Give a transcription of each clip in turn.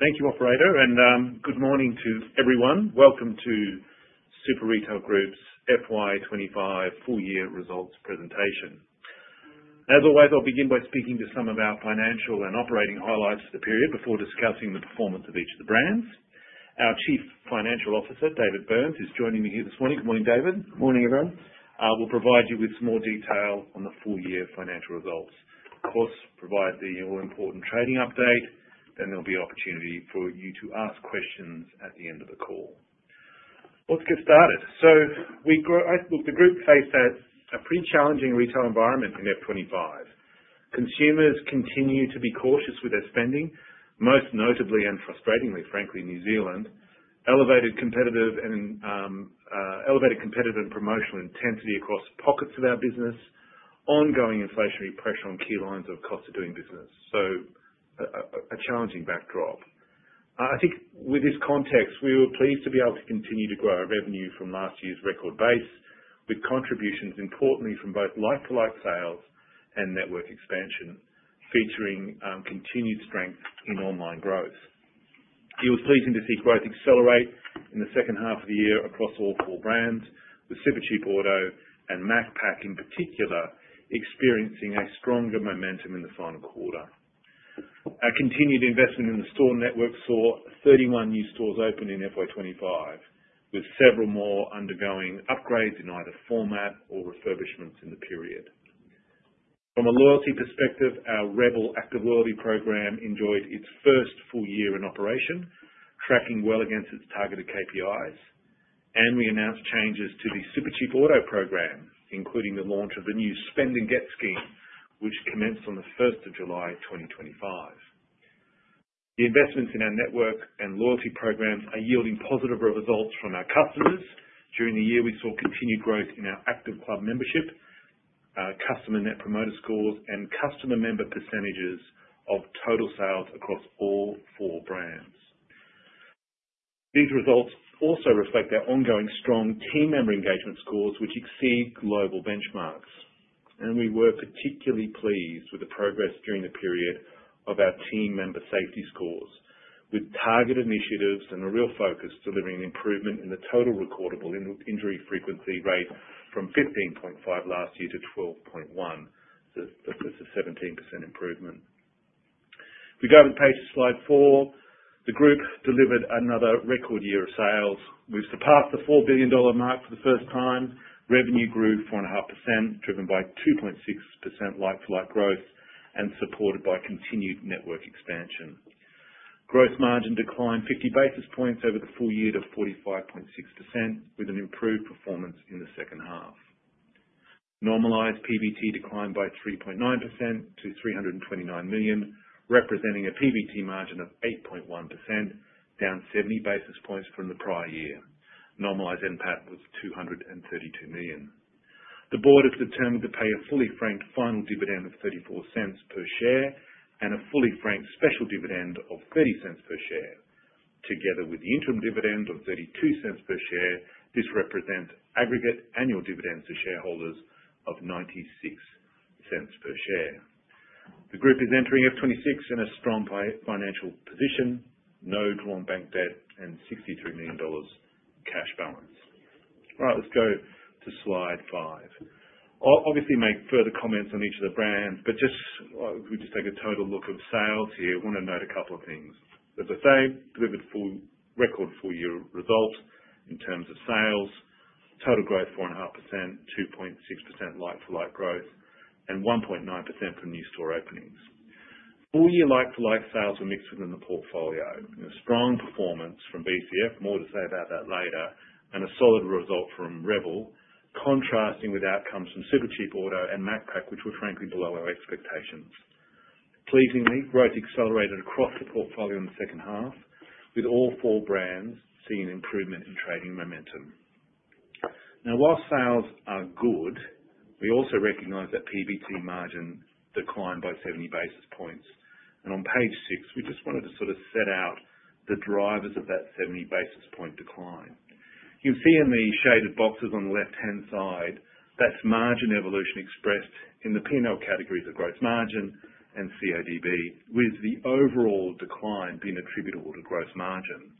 Thank you, Operator, and good morning to everyone. Welcome to Super Retail Group's FY 2025 Full Year Results Presentation. As always, I'll begin by speaking to some of our financial and operating highlights for the period before discussing the performance of each of the brands. Our Chief Financial Officer, David Burns, is joining me here this morning. Good morning, David. Good morning everyone. We'll provide you with some more detail on the full year financial results, provide the all-important trading update, then there'll be opportunity for you to ask questions at the end of the call. Let's get started. The group faces a pretty challenging retail environment in FY 2025. Consumers continue to be cautious with their spending, most notably and frustratingly, frankly, in New Zealand, with elevated competitive and promotional intensity across pockets of our business. There is ongoing inflationary pressure on key lines of cost of doing business. A challenging backdrop, I think, with this context we were pleased to be able to continue to grow our revenue from last year's record base with contributions importantly from both like-for-like sales and network expansion, featuring continued strength in online growth. It was pleasing to see growth accelerate in the second half of the year across all four brands, with Supercheap Auto and Macpac in particular experiencing stronger momentum in the final quarter. Our continued investment in the store network saw 31 new stores open in FY 2025, with several more undergoing upgrades in either format or refurbishments in the period. From a loyalty perspective, our Rebel Active loyalty program enjoyed its first full year in operation, tracking well against its targeted KPIs. We announced changes to the Supercheap Auto program, including the launch of the new Spend and Get loyalty scheme, which commenced on 1 July 2025. The investments in our network and loyalty program are yielding positive results from our customers during the year. We saw continued growth in our active club membership, customer Net Promoter Scores, and customer member percentages of total sales across all four brands. These results also reflect their ongoing strong team member engagement scores, which exceed global benchmarks, and we were particularly pleased with the progress during the period of our team member safety scores, with targeted initiatives and a real focus delivering improvement in the total recordable injury frequency rate from 15.5 last year to 12.1, so a 17% improvement. If we go to the page, slide 4, the group delivered another record year of sales. We've surpassed the $4 billion mark for the first time. Revenue grew 4.5%, driven by 2.6% like-for-like growth and supported by continued network expansion. Gross margin declined 50 basis points over the full year to 45.6%, with an improved performance in the second half. Normalised PBT declined by 3.9% to $329 million, representing a PBT margin of 8.1%, down 70 basis points from the prior year. Normalised NPAT was $232 million. The board has determined to pay a fully franked final dividend of $0.34 per share and a fully franked special dividend of $0.30 per share. Together with the interim dividend of $0.32 per share, this represents aggregate annual dividends to shareholders of $0.96 per share. The group is entering FY 2026 in a strong financial position. No drawn bank debt and $63 million cash balance. All right, let's go to Slide 5. I'll obviously make further comments on each of the brands, but just take a total look of sales here. I want to note a couple of things. As I say, delivered full record full year results in terms of sales, total growth 4.5%, 2.6% like-for-like growth, and 1.9% for new store openings all year. Like-for-like sales were mixed within the portfolio. Strong performance from BCF, more to say about that later, and a solid result from Rebel, contrasting with outcomes from Supercheap Auto and Macpac, which were frankly below our expectations. Pleasingly, growth accelerated across the portfolio in the second half with all four brands seeing improvement in trading momentum. Now while sales are good, we also recognize that PBT margin declined by 70 basis points. On page six, we just wanted to sort of set out the drivers of that 70 basis point decline you see in the shaded boxes on the left-hand side. That's margin evolution expressed in the P&L categories of gross margin and CADB, with the overall decline being attributable to gross margin.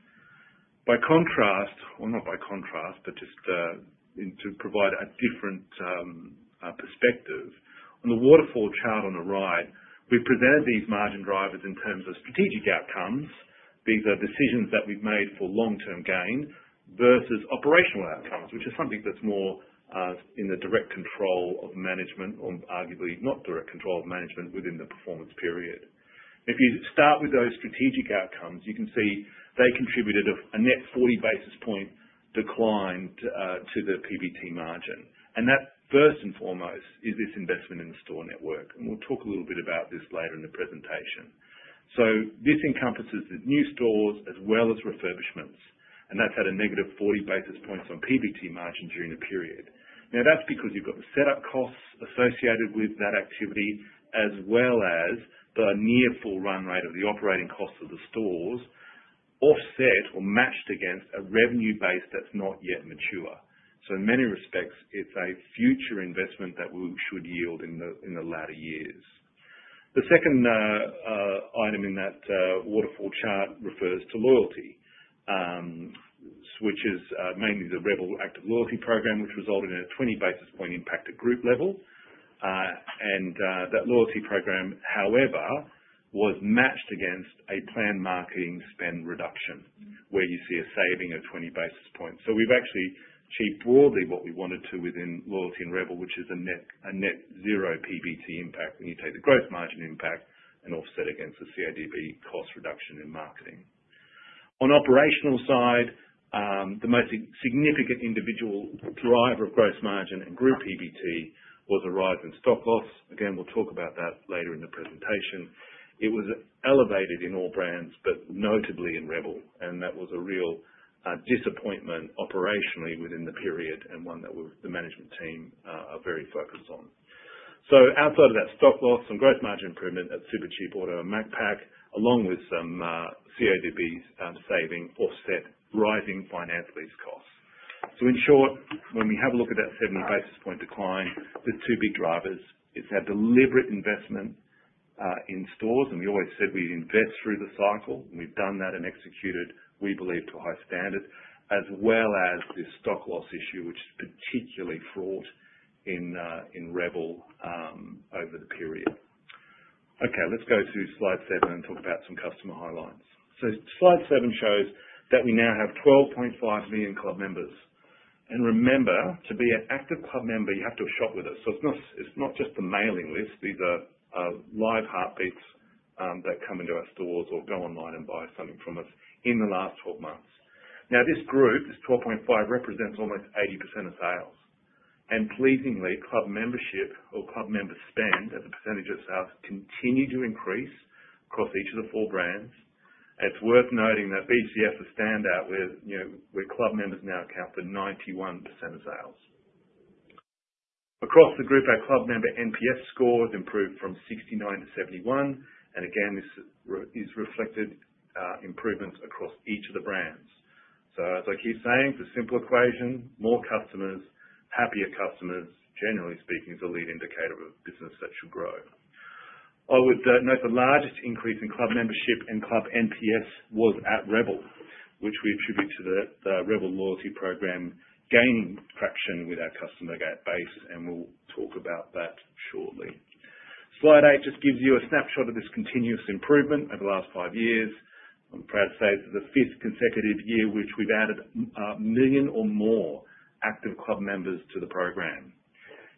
By contrast, or not by contrast, but just to provide a different perspective, on the waterfall chart on the right, we presented these margin drivers in terms of strategic outcomes. These are decisions that we've made for long-term gain versus operational outcomes, which is something that's more in the direct control of management or arguably not direct control of management within the performance period. If you start with those strategic outcomes, you can see they contributed a net 40 basis point decline to the PBT margin and that first and foremost is this investment in the store network. We'll talk a little bit about this later in the presentation. This encompasses the new stores as well as refurbishments and that's at a negative 40 basis points on PBT margin during the period. Now that's because you've got the setup costs associated with that activity as well as the near full run rate of the operating costs of the stores offset or matched against a revenue base that's not yet mature. In many respects it's a future investment that we should yield in the latter years. The second item in that waterfall chart refers to loyalty, which is mainly the Rebel Active loyalty program which resulted in a 20 basis point impact at group level. That loyalty program however was matched against a planned marketing spend reduction where you see a saving of 20 basis points. We've actually achieved broadly what we wanted to within loyalty and Rebel, which is a net zero PBT impact when you take the gross margin impact and offset against the CODB cost reduction in marketing. On the operational side, the most significant individual driver of gross margin and group EBT was a rise in stock loss. We'll talk about that later in the presentation. It was elevated in all brands, but notably in Rebel and that was a real disappointment operationally within the period and one that the management team are very focused on. Outside of that stock loss, some gross margin improvement at Supercheap Auto and Macpac along with some CODB saving offset rising finance lease costs. In short, when we have a look at that 70 basis point decline, there are two big drivers. It's that deliberate investment in stores. We always said we invest through the cycle. We've done that and executed, we believe, to a high standard as well as this stock loss issue which is particularly fraught in Rebel over the period. Okay, let's go to slide seven and talk about some customer highlights. So. Slide seven shows that we now have 12.5 million club members. Remember, to be an active club member, you have to shop with us. It's not just the mailing list. These are live heartbeats that come into our stores or go online and buy something from us in the last 12 months. This group, this 12.5 represents almost 80% of sales and, pleasingly, club membership or club member spend as a percentage of sales continues to increase across each of the four brands. It's worth noting that BCF is a standout where club members now account for 91% of sales across the group. Our club member NPS score has improved from 69 to 71 and, again, this is reflected in improvements across each of the brands. As I keep saying, the simple equation more customers, happier customers, generally speaking, is a lead indicator of business that should grow. I would note the largest increase in club membership and club NPS was at Rebel, which we attribute to the Rebel loyalty program gaining traction with our customer base and we'll talk about that shortly. Slide 8 just gives you a snapshot of this continuous improvement over the last five years. I'm proud to say this is the fifth consecutive year in which we've added a million or more active club members to the program.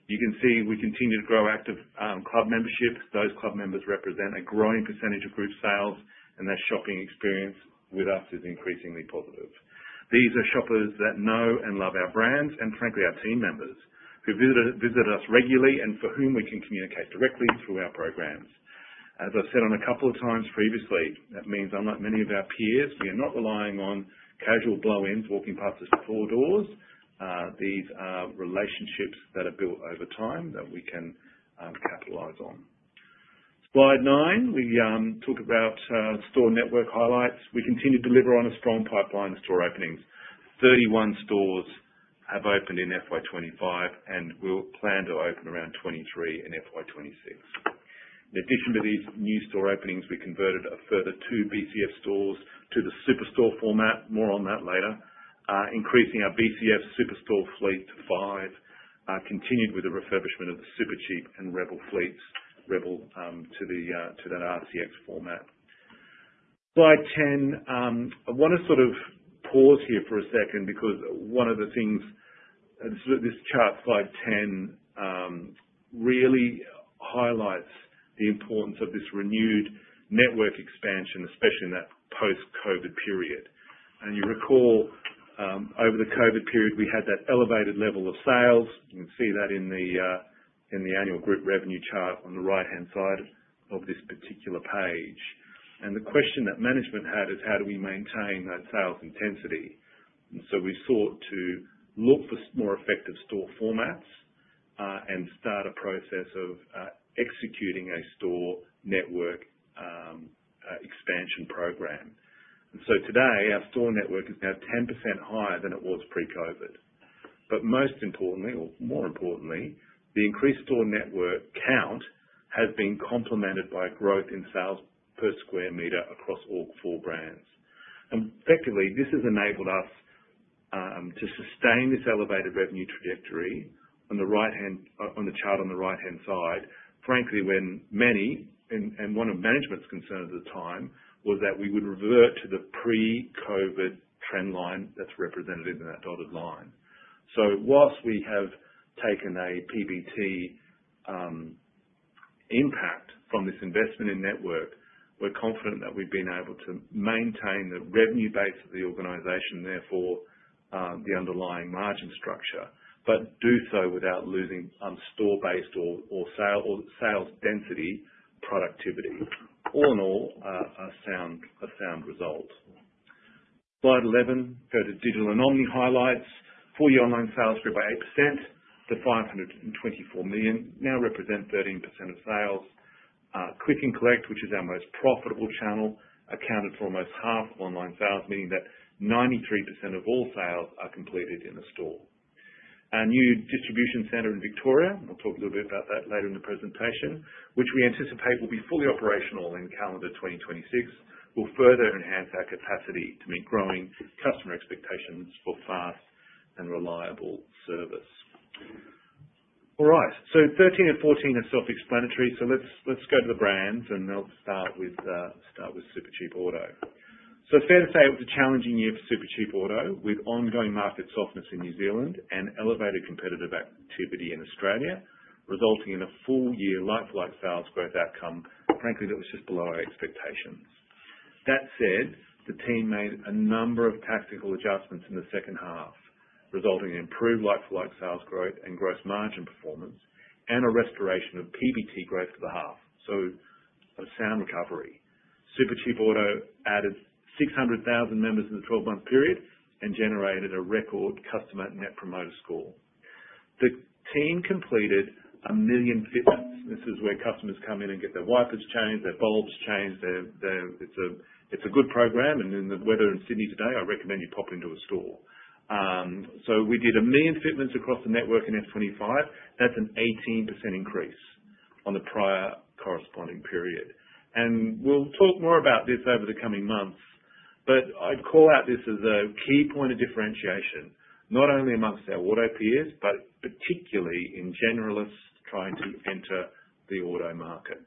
You can see we continue to grow active club memberships. Those club members represent a growing percentage of group sales and their shopping experience with us is increasingly positive. These are shoppers that know and love our brands and, frankly, our team members who visit us regularly and for whom we can communicate directly through our programs. As I've said a couple of times previously, that means unlike many of our peers, we are not relying on casual blow-ins walking past the four doors. These are relationships that are built over time that we can capitalize on. Slide 9, we talk about store network highlights. We continue to deliver on a strong pipeline of store openings. Thirty-one stores have opened in FY 2025 and we plan to open around 23 in FY 2026. In addition to these new store openings, we converted a further two BCF stores to the superstore format. More on that later. Increasing our BCF superstore fleet continued with the refurbishment of the Supercheap Auto and Rebel fleets. Rebel to that RCX format. Slide 10, I want to pause here for a second because one of the things this chart, slide 10, really highlights is the importance of this renewed network expansion, especially in that post-COVID period. You recall over the COVID period we had that elevated level of sales. You can see that in the annual group revenue chart on the right-hand side of this particular page. The question that management had is how do we maintain that sales intensity. We sought to look for more effective store formats and start a process of executing a store network expansion program. Today our store network is now 10% higher than it was pre-COVID. More importantly, the increased store network count has been complemented by growth in sales per square meter across all four brands. Effectively, this has enabled us to sustain this elevated revenue trajectory. On the chart on the right-hand side, one of management's concerns at the time was that we would revert to the pre-COVID trend line that's represented in that dotted line. Whilst we have taken a PBT impact from this investment in network, we're confident that we've been able to maintain the revenue base of the organization, therefore the underlying margin structure, but do so without losing store-based or sales density productivity. All in all, a sound result. Slide 11. Go to Digital Anomaly Highlights. Full year online sales grew by 8% to $524 million and now represent 13% of sales. Click and Collect, which is our most profitable channel, accounted for almost half of online sales, meaning that 93% of all sales are completed in the store. Our new distribution center in Victoria, which we anticipate will be fully operational in calendar 2026, will further enhance our capacity to meet growing customer expectations for fast and reliable service. Slides 13 and 14 are self-explanatory, so let's go to the brands. I'll start with Supercheap Auto. It was a challenging year for Supercheap Auto with ongoing market softness in New Zealand and elevated competitive activity in Australia resulting in a full year like-for-like sales growth outcome that was just below our expectations. That said, the team made a number of tactical adjustments in the second half resulting in improved like-for-like sales growth and gross margin performance and a restoration of PBT growth for the half. A sound recovery. Supercheap Auto added 600,000 members in the 12-month period and generated a record customer net promoter score. The team completed a million fitments. This is where customers come in and get their wipers changed, their bulbs changed. It's a good program and in the weather in Sydney today I recommend you pop into a store. We did a million fitments across the network in FY 2025. That's an 18% increase on the prior corresponding period and we'll talk more about this over the coming months. I'd call out this as a key point of differentiation not only amongst our auto peers, but particularly in generalists trying to enter the auto market.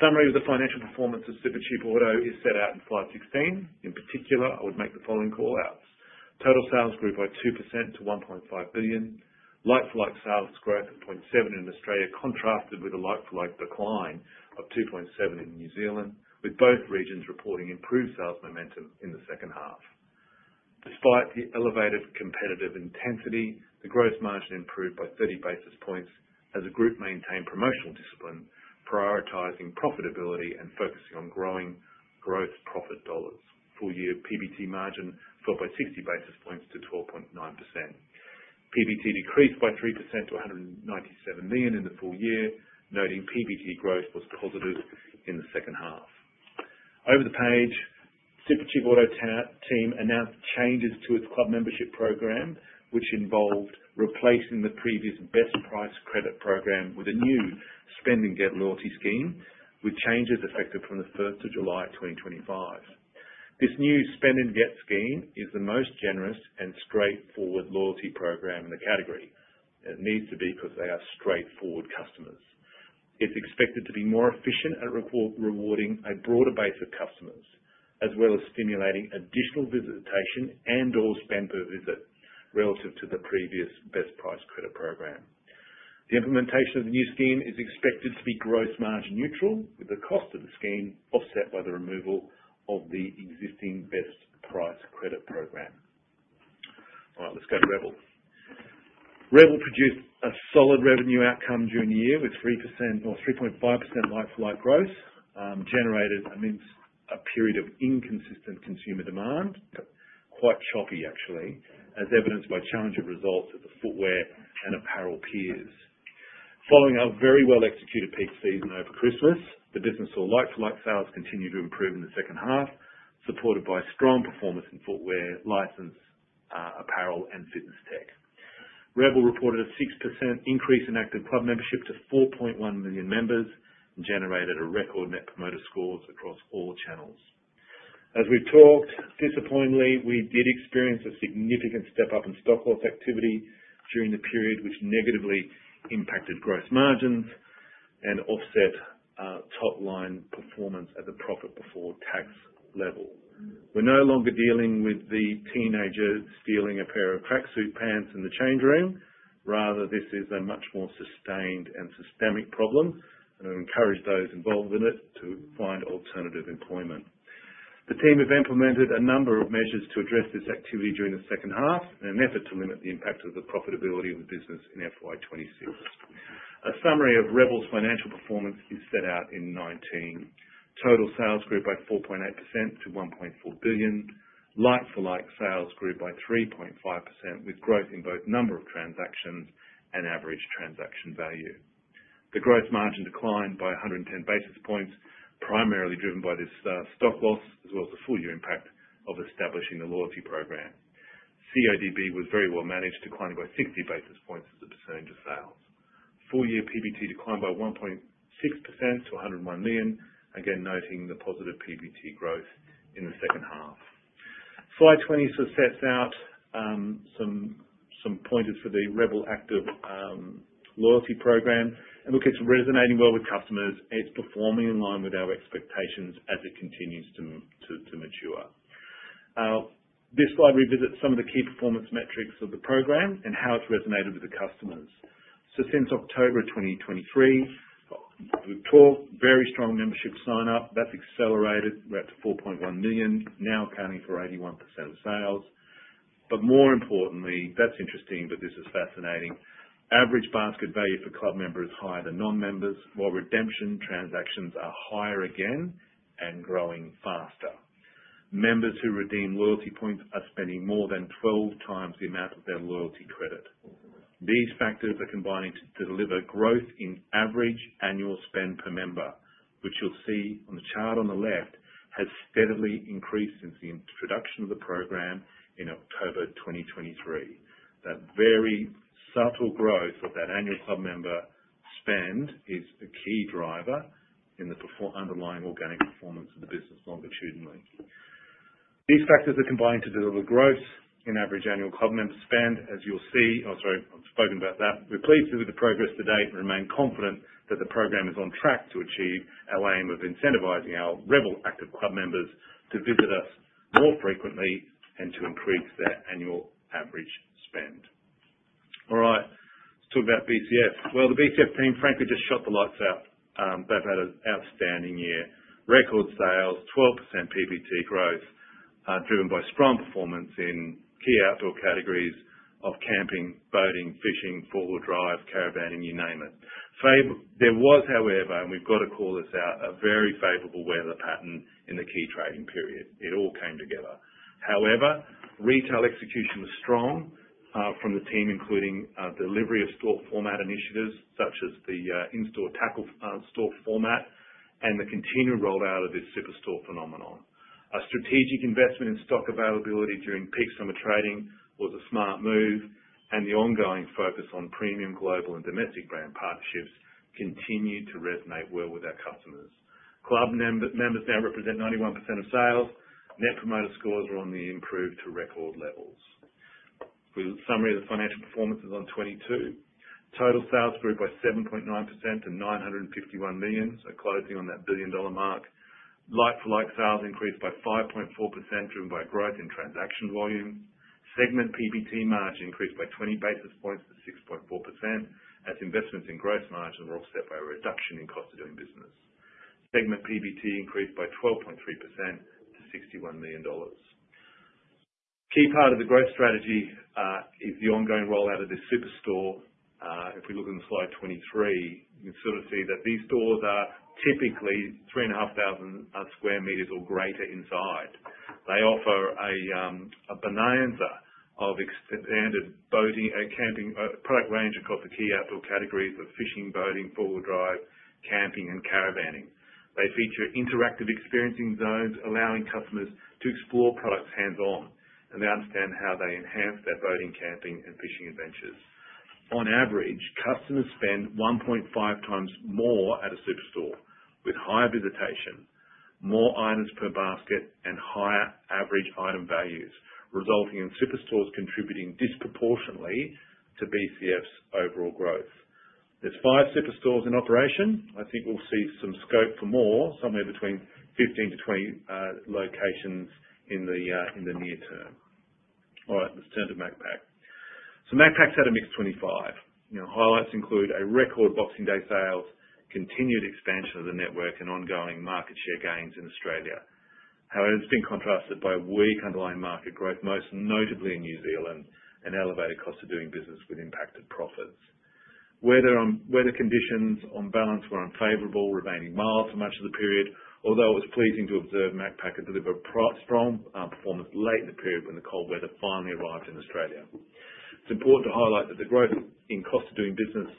Summary of the financial performance of Supercheap Auto is set out in slide 16. In particular, I would make the following call outs. Total sales grew by 2% to $1.5 billion, like-for-like sales growth of 0.7% in Australia contrasted with a like-for-like decline of 2.7% in New Zealand, with both regions reporting improved sales momentum in the second half. Despite the elevated competitive intensity, the gross margin improved by 30 basis points as the group maintained promotional discipline, prioritizing profitability and focusing on growing gross profit dollars. Full year PBT margin fell by 60 basis points to 12.9%. PBT decreased by 3% to $197 million in the full year, noting PBT growth was positive in the second half. Over the page, Supercheap Auto team announced changes to its club membership program which involved replacing the previous Best Price credit program with a new Spend and Get loyalty scheme, with changes effective from 1 July 2025. This new Spend and Get scheme is the most generous and straightforward loyalty program in the category. It needs to be because they are straightforward customers. It's expected to be more efficient at rewarding a broader base of customers as well as stimulating additional visitation and/or spend per visit relative to the previous Best Price credit program. The implementation of the new scheme is expected to be gross margin neutral, with the cost of the scheme offset by the removal of the existing Best Price credit program. Let's go to Rebel. Rebel produced a solid revenue outcome during the year with 3% or 3.5% like-for-like growth generated amidst a period of inconsistent consumer demand. Quite choppy actually, as evidenced by challenging results at the footwear and apparel peers. Following our very well executed peak season over Christmas, the business saw like-for-like sales continue to improve in the second half, supported by strong performance in footwear, licensed apparel, and fitness tech. Rebel reported a 6% increase in active club membership to 4.1 million members and generated record net promoter scores across all channels as we talked. Disappointingly, we did experience a significant step up in stock loss activity during the period, which negatively impacted gross margins and offset top line performance at the profit before tax level. We're no longer dealing with the teenager stealing a pair of tracksuit pants in the change room. Rather, this is a much more sustained and systemic problem and encourage those involved in it to find alternative employment. The team have implemented a number of measures to address this activity during the second half in an effort to limit the impact on the profitability of business in FY 2026. A summary of Rebel's financial performance is set out in 19. Total sales grew by 4.8% to $1.4 billion. Like-for-like sales grew by 3.5% with growth in both number of transactions and average transaction value. The gross margin declined by 110 basis points, primarily driven by this stock loss as well as the full year impact of establishing the loyalty program. CODB was very well managed, declining by 60 basis points to percentage of sales. Full year PBT declined by 1.6% to $101 million. Again, noting the positive PBT growth in the second half, Slide 20 sets out some pointers for the Rebel Active loyalty program and look, it's resonating well with customers. It's performing in line with our expectations as it continues to mature. This slide revisits some of the key performance metrics of the program and how it's resonated with the customers. Since October 2023, we've talked very strong membership sign up. That's accelerated. We're at 4.1 million now, accounting for 81% of sales. More importantly, that's interesting, but this is fascinating. Average basket value for club members is higher than non-members, while redemption transactions are higher again, growing faster. Members who redeem loyalty points are spending more than 12x the amount of their loyalty credit. These factors are combining to deliver growth in average annual spend per member, which you'll see on the chart on the left, has steadily increased since the introduction of the program in October 2023. That very subtle growth of that annual club member spend is a key driver in the underlying organic performance of the business. Longitudinally, these factors are combined to deliver growth in average annual club member spend. As you'll see, I've spoken about that. We're pleased with the progress to date and remain confident that the program is on track to achieve our aim of incentivizing our Rebel active club members to visit us more frequently and to increase their annual average sales spend. All right, let's talk about BCF. The BCF team frankly just shot the lights out. They've had an outstanding year. Record sales, 12% PBT growth driven by strong performance in key outdoor categories of camping, boating, fishing, four wheel drive, caravanning, you name it. There was, however, and we've got to call this out, a very favorable weather pattern in the key trading period. It all came together. However, retail execution was strong from the team, including delivery of store format initiatives such as the in-store tackle store format and the continued rollout of this superstore phenomenon. A strategic investment in stock availability during peak summer trading was a smart move and the ongoing focus on premium, global and domestic brand partnerships continued to resonate well with our customers. Club members now represent 91% of sales. Net promoter scores are on the improved to record levels. We summarize the financial performances on 22. Total sales grew by 7.9% to $951 million, so closing on that billion dollar mark. Like-for-like sales increased by 5.4% driven by growth in transaction volume. Segment PBT margin increased by 20 basis points to 6.4% as investments in gross margin were offset by a reduction in cost of doing business. Segment PBT increased by 12.3% to $61 million. Key part of the growth strategy is the ongoing rollout of this superstore. If we look on slide 23, you can sort of see that these stores are typically 3,500 m² or greater. Inside, they offer a bonanza of extended product range across the key outdoor categories of fishing, boating, four wheel drive, camping and caravanning. They feature interactive experiencing zones allowing customers to explore products hands on, and they understand how they enhance their boating, camping and fishing adventures. On average, customers spend 1.5 times more at a superstore, with higher visitation, more items per basket and higher average item values, resulting in superstores contributing disproportionately to BCF's overall growth. There's five superstores in operation. I think we'll see some scope for more, somewhere between 15 to 20 locations in the near term. All right, let's turn to Macpac. Macpac's had a mixed 25. Highlights include a record Boxing Day sales, continued expansion of the network, and ongoing market share gains in Australia. However, it's been contrasted by weak underlying market growth, most notably in New Zealand, and elevated costs of doing business which impacted profits. Weather conditions on balance were unfavorable, remaining mild for much of the period. Although it was pleasing to observe Macpac deliver strong performance late in the period when the cold weather finally arrived in Australia. It's important to highlight that the growth in cost of doing business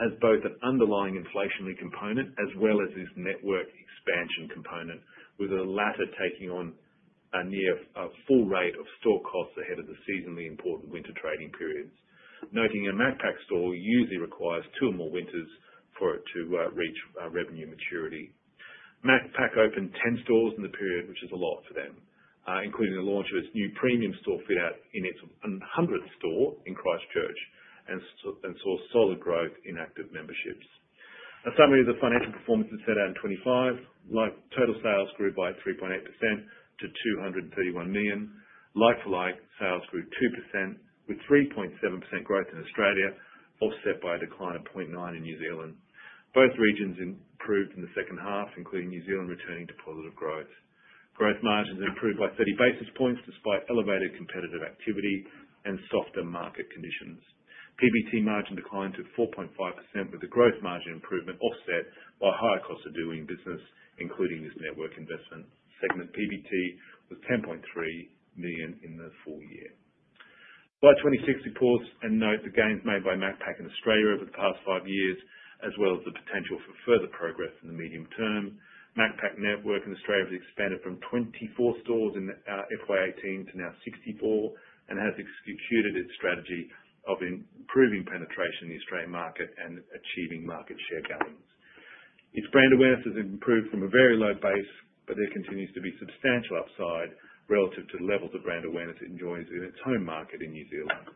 has both an underlying inflationary component as well as its network expansion component, with the latter taking on a near full rate of store costs ahead of the seasonally important winter trading periods, noting a Macpac store usually requires two or more winters for it to reach revenue maturity. Macpac opened 10 stores in the period, which is a lot for them, including the launch of its new premium store fit out in its 100th store in Christchurch and saw solid growth in active memberships. A summary of the financial performance in FY25: total sales grew by 3.8% to $231 million. Like-for-like sales grew 2% with 3.7% growth in Australia, offset by a decline of 0.9% in New Zealand. Both regions improved in the second half, including New Zealand returning to positive growth. Gross margins improved by 30 basis points despite elevated competitive activity and softer market conditions. PBT margin declined to 4.5%, with the gross margin improvement offset by higher costs of doing business. Including this network investment segment, PBT was $10.3 million in the full year FY 2025. Pause and note the gains made by Macpac in Australia over the past five years as well as the potential for further progress in the medium term. Macpac network in Australia has expanded from 24 stores in FY 2018 to now 64 and has executed its strategy of improving penetration in the Australian market and achieving market share guidance. Its brand awareness has improved from a very low base, but there continues to be substantial upside relative to the levels of brand awareness it enjoys in its home market in New Zealand.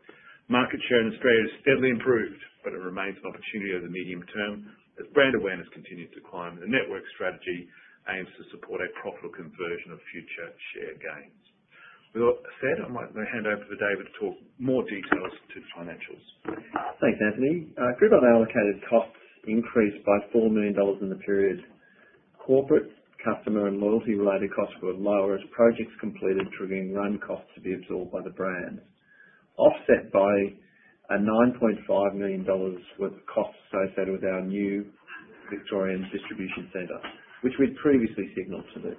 Market share in Australia has steadily improved but it remains an opportunity over the medium term as brand awareness continues to climb. The network strategy aims to support a profitable conversion of future share gains. With that said, I might hand over to David to talk more details to the financials. Thanks Anthony. Grid on allocated costs increased by $4 million in the period. Corporate, customer, and loyalty related costs were lower as projects completed, triggering run costs. To be absorbed by the brand, offset. By a $9.5 million worth of costs associated with our new Victorian distribution centre which we'd previously signaled to the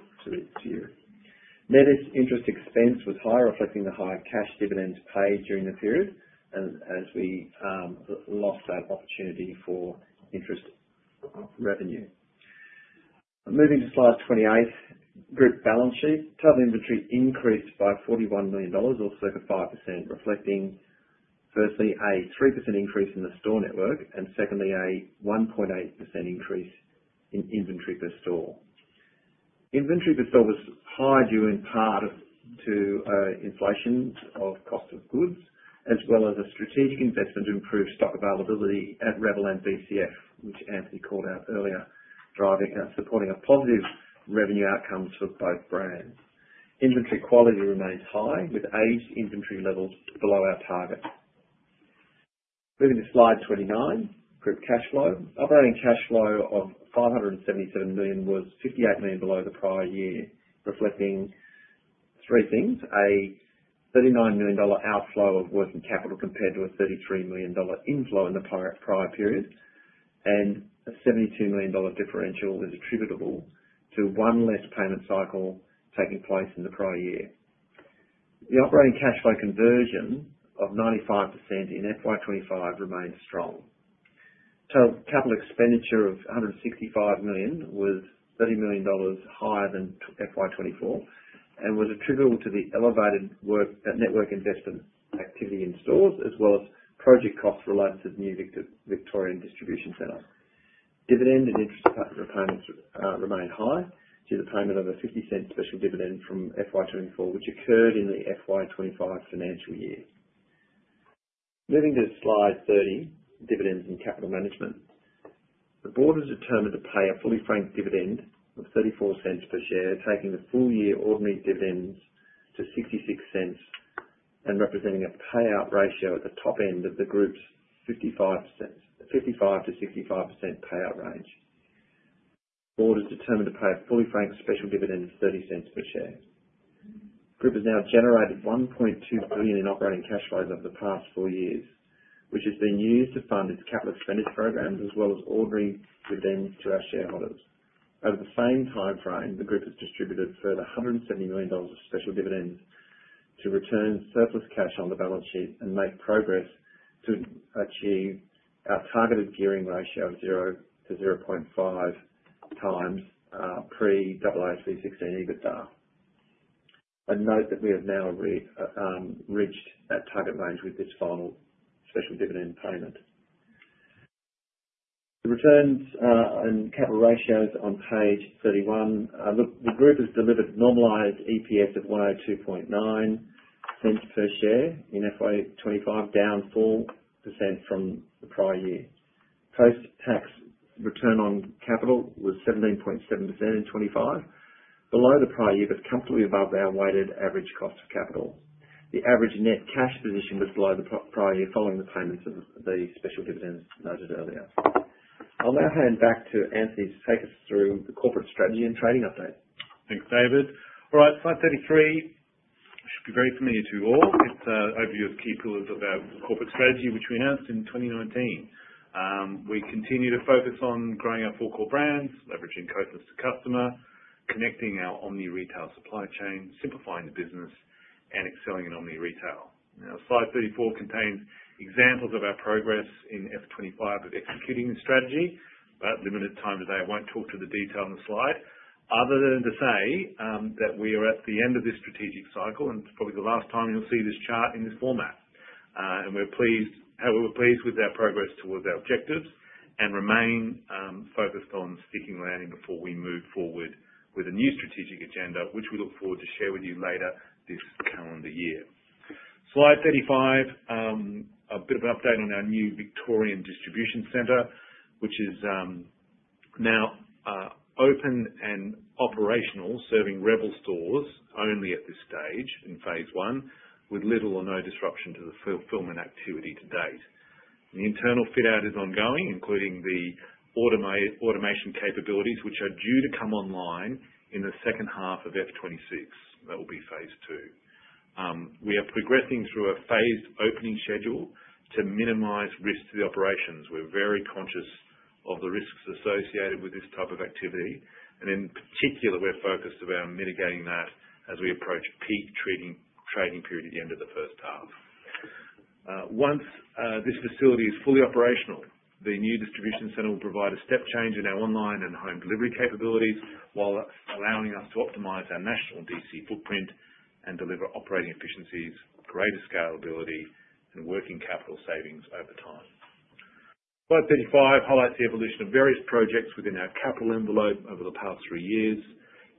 Net interest expense was higher reflecting the higher cash dividends paid during the period as we lost that opportunity for interest revenue. Moving to slide 28 group balance sheet total inventory increased by $41 million or circa 5% reflecting firstly a 3% increase in the store network and secondly a 1.8% increase in inventory per store. Inventory per store was higher due in part to inflation of cost of goods as well as a strategic investment to improve stock availability at Rebel and BCF which Anthony called out earlier supporting a positive revenue outcome for both brands. Inventory quality remains high with aged inventory. Levels below our target. Moving to slide 29, group cash flow operating cash flow of $577 million was $58 million below the prior year, reflecting three things: a $39 million outflow of working capital compared to a $33 million inflow in the prior period, and a $72 million differential is attributable to one less payment cycle taking place in the prior year. The operating cash flow conversion of 95% in FY 2025 remains strong. Capital expenditure of $165 million was $30 million higher than FY 2024 and was attributable to the elevated work network investment activity in stores as well as project costs related to the new Victorian distribution centre. Dividend and interest remained high due to the payment of a $0.50 special dividend from FY 2024, which occurred in the FY 2025 financial year. Moving to slide 30, dividends and capital management, the Board is determined to pay a fully franked dividend of $0.34 per share, taking the full year ordinary dividends to $0.66 and representing a payout ratio at the top end of the group's 55%-65% payout range. The Board is determined to pay a fully franked special dividend of $0.30 per share. Group has now generated $1.2 billion in operating cash flows over the past four. Years which has been used to fund. Its capital expenditures programs as well as ordering dividends to our shareholders. Over the same time frame, the Group has distributed a further $170 million of special dividends to return surplus cash on the. Balance sheet and make progress to achieve. Our targeted gearing ratio of 0:0.5 times pre AASB 16 EBITDA. Note that we have now reached. That target range with this final special dividend payment. The returns and capital ratios on page 31, the group has delivered normalised EPS of $1.029 per share in FY2025, down 4% from the prior year. Post tax return on capital was 17.7% in 2025, below the prior year but comfortably above our weighted average cost of capital. The average net cash position was below the prior year following the payments of the special dividends noted earlier. I'll now hand back to Anthony to take us through the corporate strategy and trading update. Thanks, David. All right, Slide 33 should be very familiar to you all. It's an overview of key pillars of our corporate strategy which we announced in 2019. We continue to focus on growing our four core brands, leveraging Codeless to customer, connecting our Omni Retail supply chain, simplifying the business, and excelling in OMNI Retail. Now, Slide 34 contains examples of our progress in FY 2025 of executing the strategy, but with limited time today, I won't talk to the detail on the slide other than to say that we are at the end of this strategic cycle and it's probably the last time you'll see this chart in this format. We're pleased, however, with our progress towards our objectives and remain focused on sticking the landing before we move forward with a new strategic agenda, which we look forward to share with you later this calendar year. Slide 35, a bit of an update on our new Victorian distribution centre, which is now open and operational, serving Rebel stores only at this stage in phase one with little or no disruption to the fulfillment activity to date. The internal fit out is ongoing, including the automation capabilities which are due to come online in the second half of F26. That will be phase two. We are progressing through a phased opening schedule to minimize risk to the operations. We're very conscious of the risks associated with this type of activity, and in particular, we're focused around mitigating that as we approach peak trading period at the end of the first half. Once this facility is fully operational, the new distribution centre will provide a step change in our online and home delivery capabilities while allowing us to optimize our national DC footprint and deliver operating efficiencies, greater scalability, and working capital savings over time. Slide 35 highlights the evolution of various projects within our capital envelope over the past three years.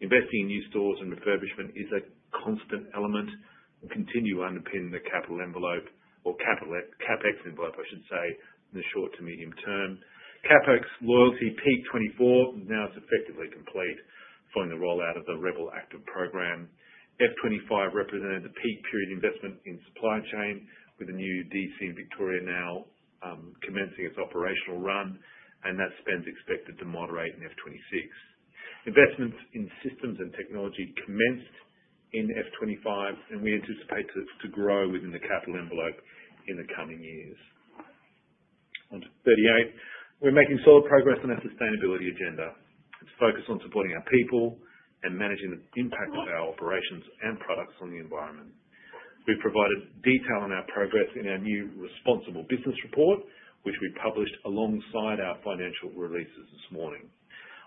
Investing in new stores and refurbishment is a constant element and will continue underpinning the capital envelope or CapEx envelope, I should say, in the short to medium term. CapEx loyalty peaked in 24, now it's effectively complete following the rollout of the Rebel Active program. F25 represented the peak period investment in supply chain with the new DC in Victoria now commencing its operational run, and that spend is expected to moderate in FY 2026. Investments in systems and technology commenced in FY 2025, and we anticipate to grow within the capital envelope in the coming years. On to 38. We're making solid progress on our sustainability agenda, focus on supporting our people and managing the impact of our operations and products on the environment. We've provided detail on our progress in our new Responsible Business report, which we published alongside our financial releases this morning.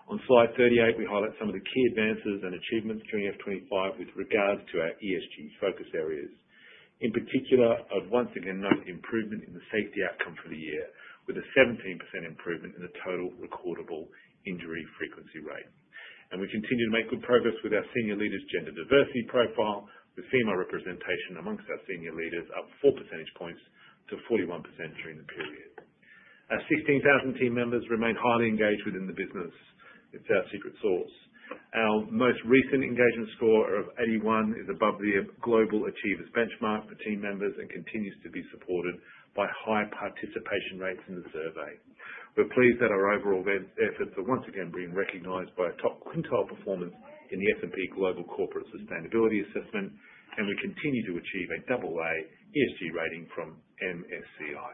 On slide 38, we highlight some of the key advances and achievements during FY 2025 with regards to our ESG focus areas. In particular, I'd once again note improvement in the safety outcome for the year with a 17% improvement in the total recordable injury frequency rate, and we continue to make good progress with our Senior Leaders gender diversity profile, with female representation amongst our senior leaders up 4 percentage points to 41% during the period. Our 16,000 team members remain highly engaged within the business. It's our secret sauce. Our most recent engagement score of 81 is above the global Achievers benchmark for team members and continues to be supported by high participation rates in the survey. We're pleased that our overall efforts are once again being recognized by a top quintile performance in the S&P Global Corporate Sustainability Assessment, and we continue to achieve a AA ESG rating from MSCI.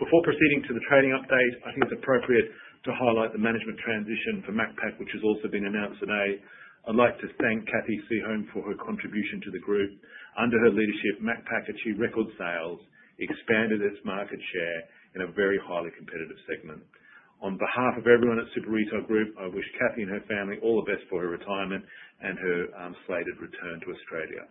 Before proceeding to the trading update, I think it's appropriate to highlight the management transition for Macpac, which has also been announced today. I'd like to thank Cathy Seeholm for her contribution to the group. Under her leadership, Macpac achieved record sales, expanded its market share in a very highly competitive segment. On behalf of everyone at Super Retail Group, I wish Cathy and her family all the best for her retirement and her slated return to Australia.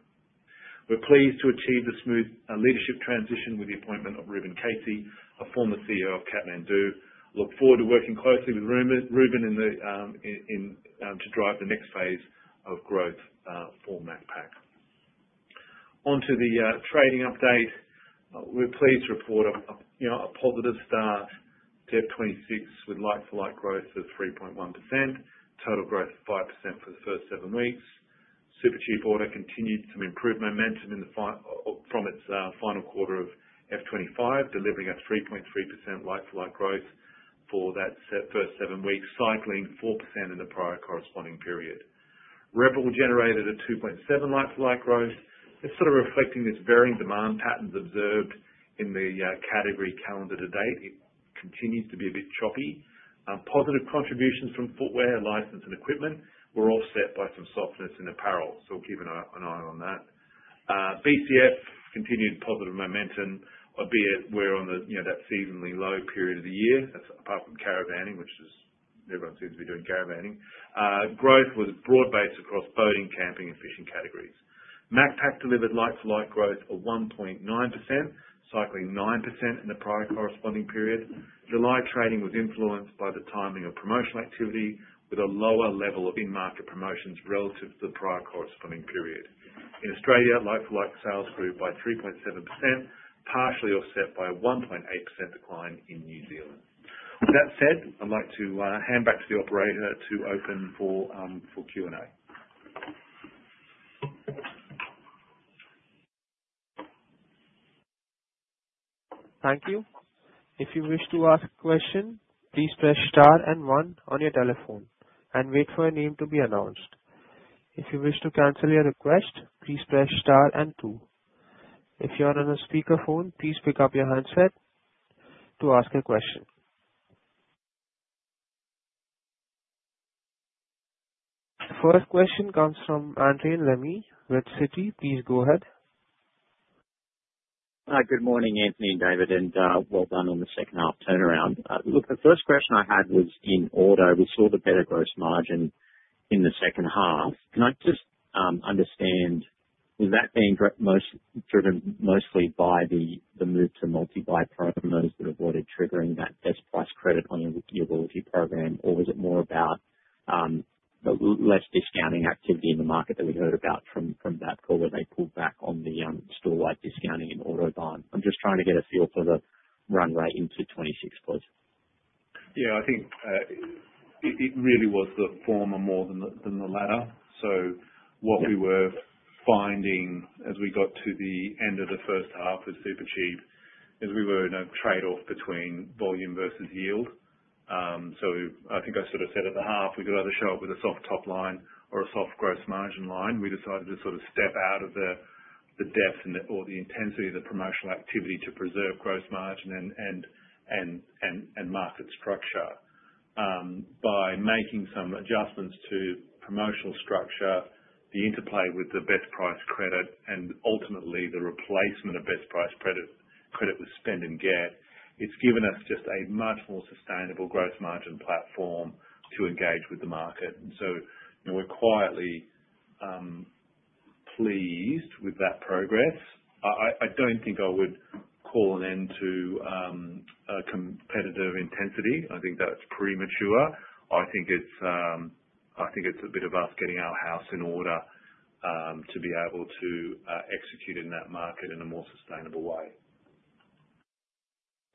We're pleased to achieve the smooth leadership transition with the appointment of Reuben Casey, a former CEO of Kathmandu. Look forward to working closely with Reuben to drive the next phase of growth for Macpac. Onto the trading update, we're pleased to report a positive start to F26 with like-for-like growth of 3.1%, total growth 5% for the first seven weeks. Supercheap Auto continued some improved momentum from its final quarter of FY 2025, delivering a 3.3% like-for-like growth for that first seven weeks, cycling 4% in the prior corresponding period. Rebel generated a 2.7% like-for-like growth. It's sort of reflecting this varying demand patterns observed in the category calendar to date. It continues to be a bit choppy. Positive contributions from footwear, license and equipment were offset by some softness in apparel, so we'll keep an eye on that. BCF continued positive momentum, albeit we're on the, you know, that seasonally low period of the year. That's apart from caravanning, which is everyone seems to be doing caravanning. Growth was broad based across boating, camping and fishing categories. Macpac delivered like-for-like growth of 1.9% cycling 9% in the prior corresponding period. July trading was influenced by the timing of promotional activity, with a lower level of in-market promotions relative to the prior corresponding period. In Australia, like-for-like sales grew by 3.7%, partially offset by a 1.8% decline in New Zealand. That said, I'd like to hand back to the operator to open for Q and A. Thank you. If you wish to ask a question, please press star and 1 on your telephone and wait for a name to be announced. If you wish to cancel your request, please press star and 2. If you're on a speakerphone, please pick up your headset to ask a question. First question comes from Anthony Lemmy with Citi. Please go ahead. Good morning Anthony and David, and well done on the second half turnaround. The first question I had was in order. We saw the better gross margin in the second half. Can I just understand, was that being driven mostly by the Move to multi buy product promoters. Avoided triggering that Best Price credit on your loyalty program? Was it more about less discounting activity in the market that we heard about from that call where they pulled back on the storewide discounting and Autobarn? I'm just trying to get a feel. For the run rate into 26%, Yeah. I think it really was the former more than the latter. What we were finding as we got to the end of the first half of Supercheap is we were in a trade-off between volume versus yield. I think I sort of said at the half we could either show up with a soft top line or a soft gross margin line. We decided to step out of the depth or the intensity of the promotional activity to preserve gross margin and market structure. By making some adjustments to promotional structure, the interplay with the Best Price credit and ultimately the replacement of Best Price credit with Spend and Get, it's given us just a much more sustainable gross margin platform to engage with the market and we're quietly pleased with that progress. I don't think I would call an end to competitive intensity. I think that's premature. I think it's a bit of us getting our house in order to be able to execute in that market in a more sustainable way.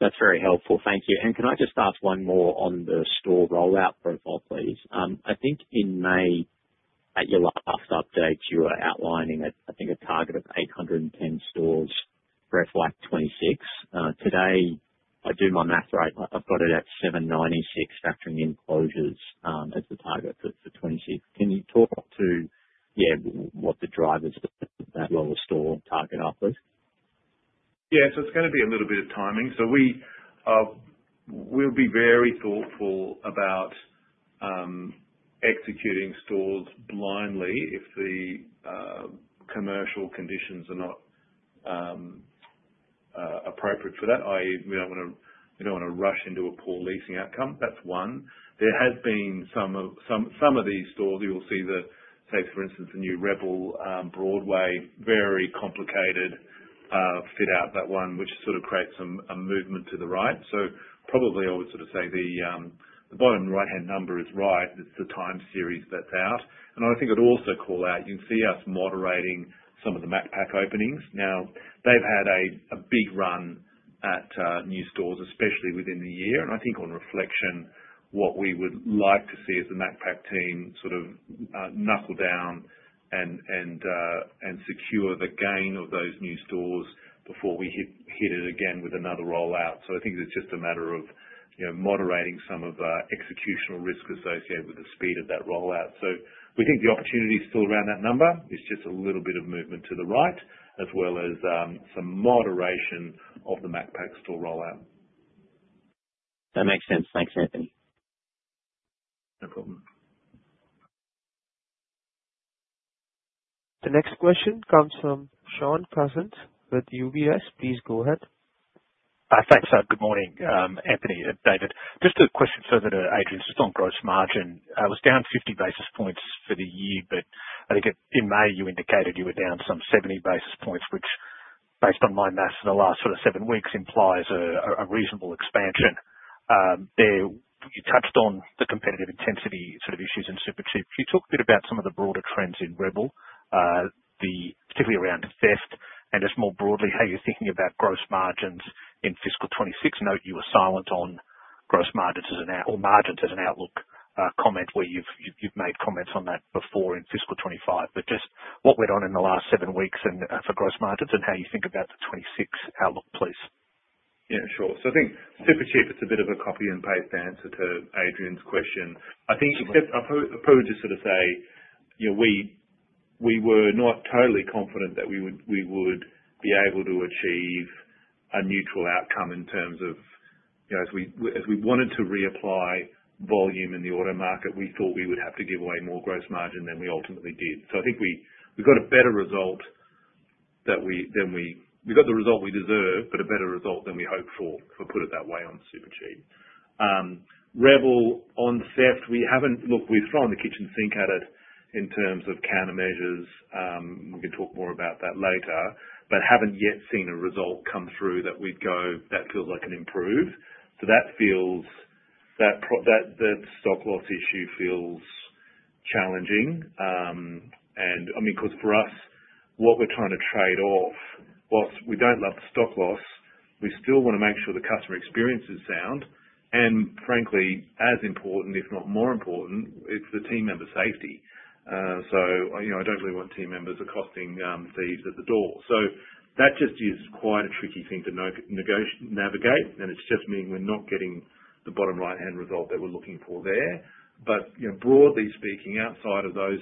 That's very helpful, thank you. Can I just ask one more on the store rollout profile, please? I think in May at your last update you were outlining a target of 810 stores for FY 2026. Today if I do my math right, I've got it at 796 factoring in closures as the target for 2026. Can you talk to what the drivers of the longer store target are, please? Yeah, so it's going to be a little bit of timing. We'll be very thoughtful about executing stores blindly if the commercial conditions are not appropriate for that, i.e., we don't want to rush into a poor leasing outcome. That's one. There has been some of these stores. You will see, say for instance, the new Rebel Broadway, very complicated fit out that one, which sort of creates a movement to the right. I would sort of say the bottom right hand number is right. It's the time series that's out. I'd also call out, you see us moderating some of the Macpac openings now. They've had a big run at new stores, especially within the year. On reflection, what we would like to see is the Macpac team sort of knuckle down and secure the gain of those new stores before we hit it again with another rollout. It's just a matter of moderating some of the executional risk associated with the speed of that rollout. We think the opportunity is still around that number. It's just a little bit of movement to the right, as well as some moderation of the Macpac rollout. That makes sense. Thanks, Anthony. No problem. The next question comes from Sean Cousins with UBS. Please go ahead. Thanks. Good morning, Anthony. David, just a question further to Adrian. On gross margin, it was down 50. Basis points for the year, but I think in May you indicated you were. Down some 70 basis points, which based. On my maths in the last sort. Of seven weeks implies a reasonable expansion there. You touched on the competitive intensity sort. Of issues in Supercheap Auto. Can you talk a bit about some of the broader trends in Rebel, particularly? Around theft and just more broadly how you're thinking about gross margins in fiscal 2026? I note you were silent on gross margins as an outlook comment, where you've made comments on that before in fiscal 2025. Just what went on in the last seven weeks for gross margins and how you think about the 2026 outlook, please. Yeah, sure. I think Supercheap Auto, it's a bit of a copy and paste answer to Adrian's question. I think I'd probably just sort of say we were not totally confident that we would be able to achieve a neutral outcome in terms of as we wanted to reapply volume in the auto market, we thought we would have to give away more gross margin than we ultimately did. I think we got a better result than we got the result we deserve, but a better result than we hoped for, if we put it that way. On Rebel, on theft, we haven't looked, we've thrown the kitchen sink at it. In terms of countermeasures, we talk more about that later but haven't yet seen a result come through that we go that feels like an improve. That stock loss issue feels challenging and I mean because for us what we're trying to trade off was we don't love the stock loss. We still want to make sure the customer experience is sound and frankly as important, if not more important, it's the team member safety. I don't really want team members accosting thieves at the door. That just is quite a tricky thing to navigate and it's just meaning we're not getting the bottom right hand result that we're looking for there. Broadly speaking, outside of those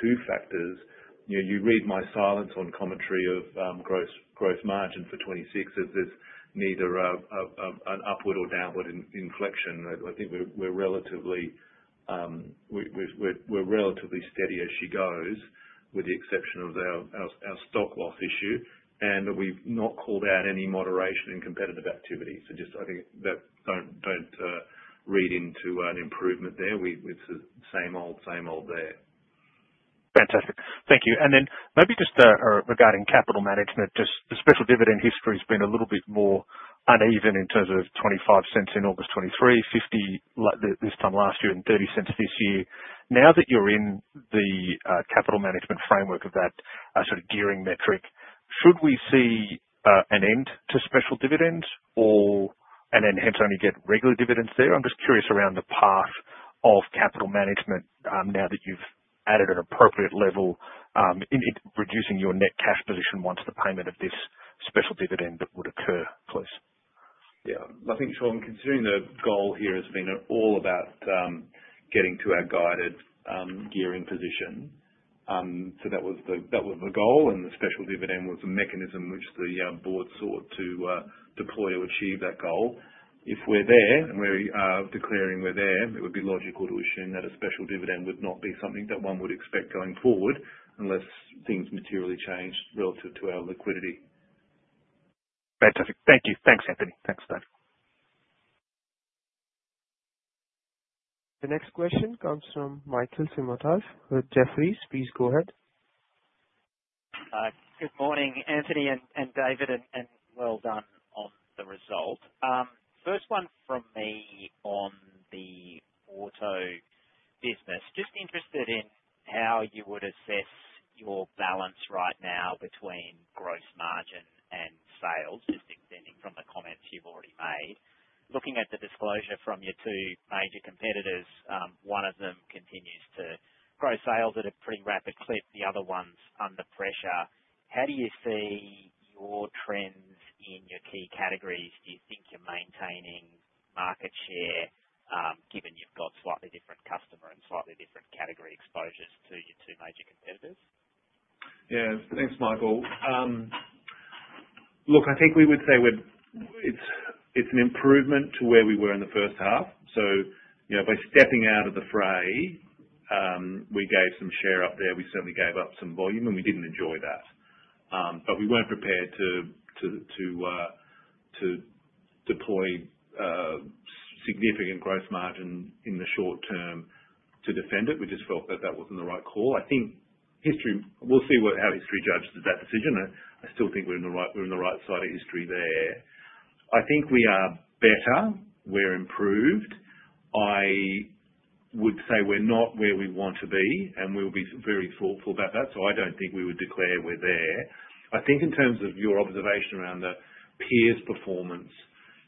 two factors, you read my silence on commentary of gross margin for 2026 as there's neither upward or downward inflection. I think we're relatively steady as she goes with the exception of our stock loss issue and we've not called out any moderation in competitive activity. I think that don't read into an improvement there. It's the same old same old there. Fantastic. Thank you. Regarding capital management, just the special dividend history has been. A little bit more uneven in terms. Of $0.25 in August 2023, $0.50. This time last year $0.30 this year. Now that you're in the capital management framework of that sort of gearing metric, should we see an end to special dividends and then hence only get regular dividends there? I'm just curious around the path of. Capital management now that you've added an appropriate level in reducing your net cash position once the payment of this special dividend would occur, please. I think, Sean, considering the goal here has been all about getting to our guided gearing position. That was the goal and the special dividend was a mechanism which the board sought to deploy to achieve that goal. If we're there and we're declaring we're there, it would be logical to assume that a special dividend would not be something that one would expect going forward unless things materially change relative to our liquidity. Fantastic. Thank you. Thanks, Anthony. Thanks, David. The next question comes from Michael Simotas at Jefferies. Please go ahead. Good morning, Anthony and David, and well done on the result. First one from me on the auto business. Just interested in how you would assess your balance right now between gross margin and sales. Just extending from the comments you've already made. Looking at the disclosure from your two major competitors, one of them continues to grow sales at a pretty rapid clip, the other one's under pressure. How do you see your trends in your key categories? Do you think you're maintaining market share given you've got slightly different customer and slightly different category exposures to your two major competitors? Yeah, thanks, Michael. Look, I think we would say it's an improvement to where we were in the first half. By stepping out of the fray, we gave some share up there, we certainly gave up some volume and we didn't enjoy that. We weren't prepared to deploy significant gross margin in the short term to defend it. We just felt that that wasn't the right call. I think history, we'll see how history judges that decision. I still think we're on the right side of history there. I think we are better, we're improved. I would say we're not where we want to be and we will be very thoughtful about that. I don't think we would declare we're there. I think in terms of your observation around the peers' performance,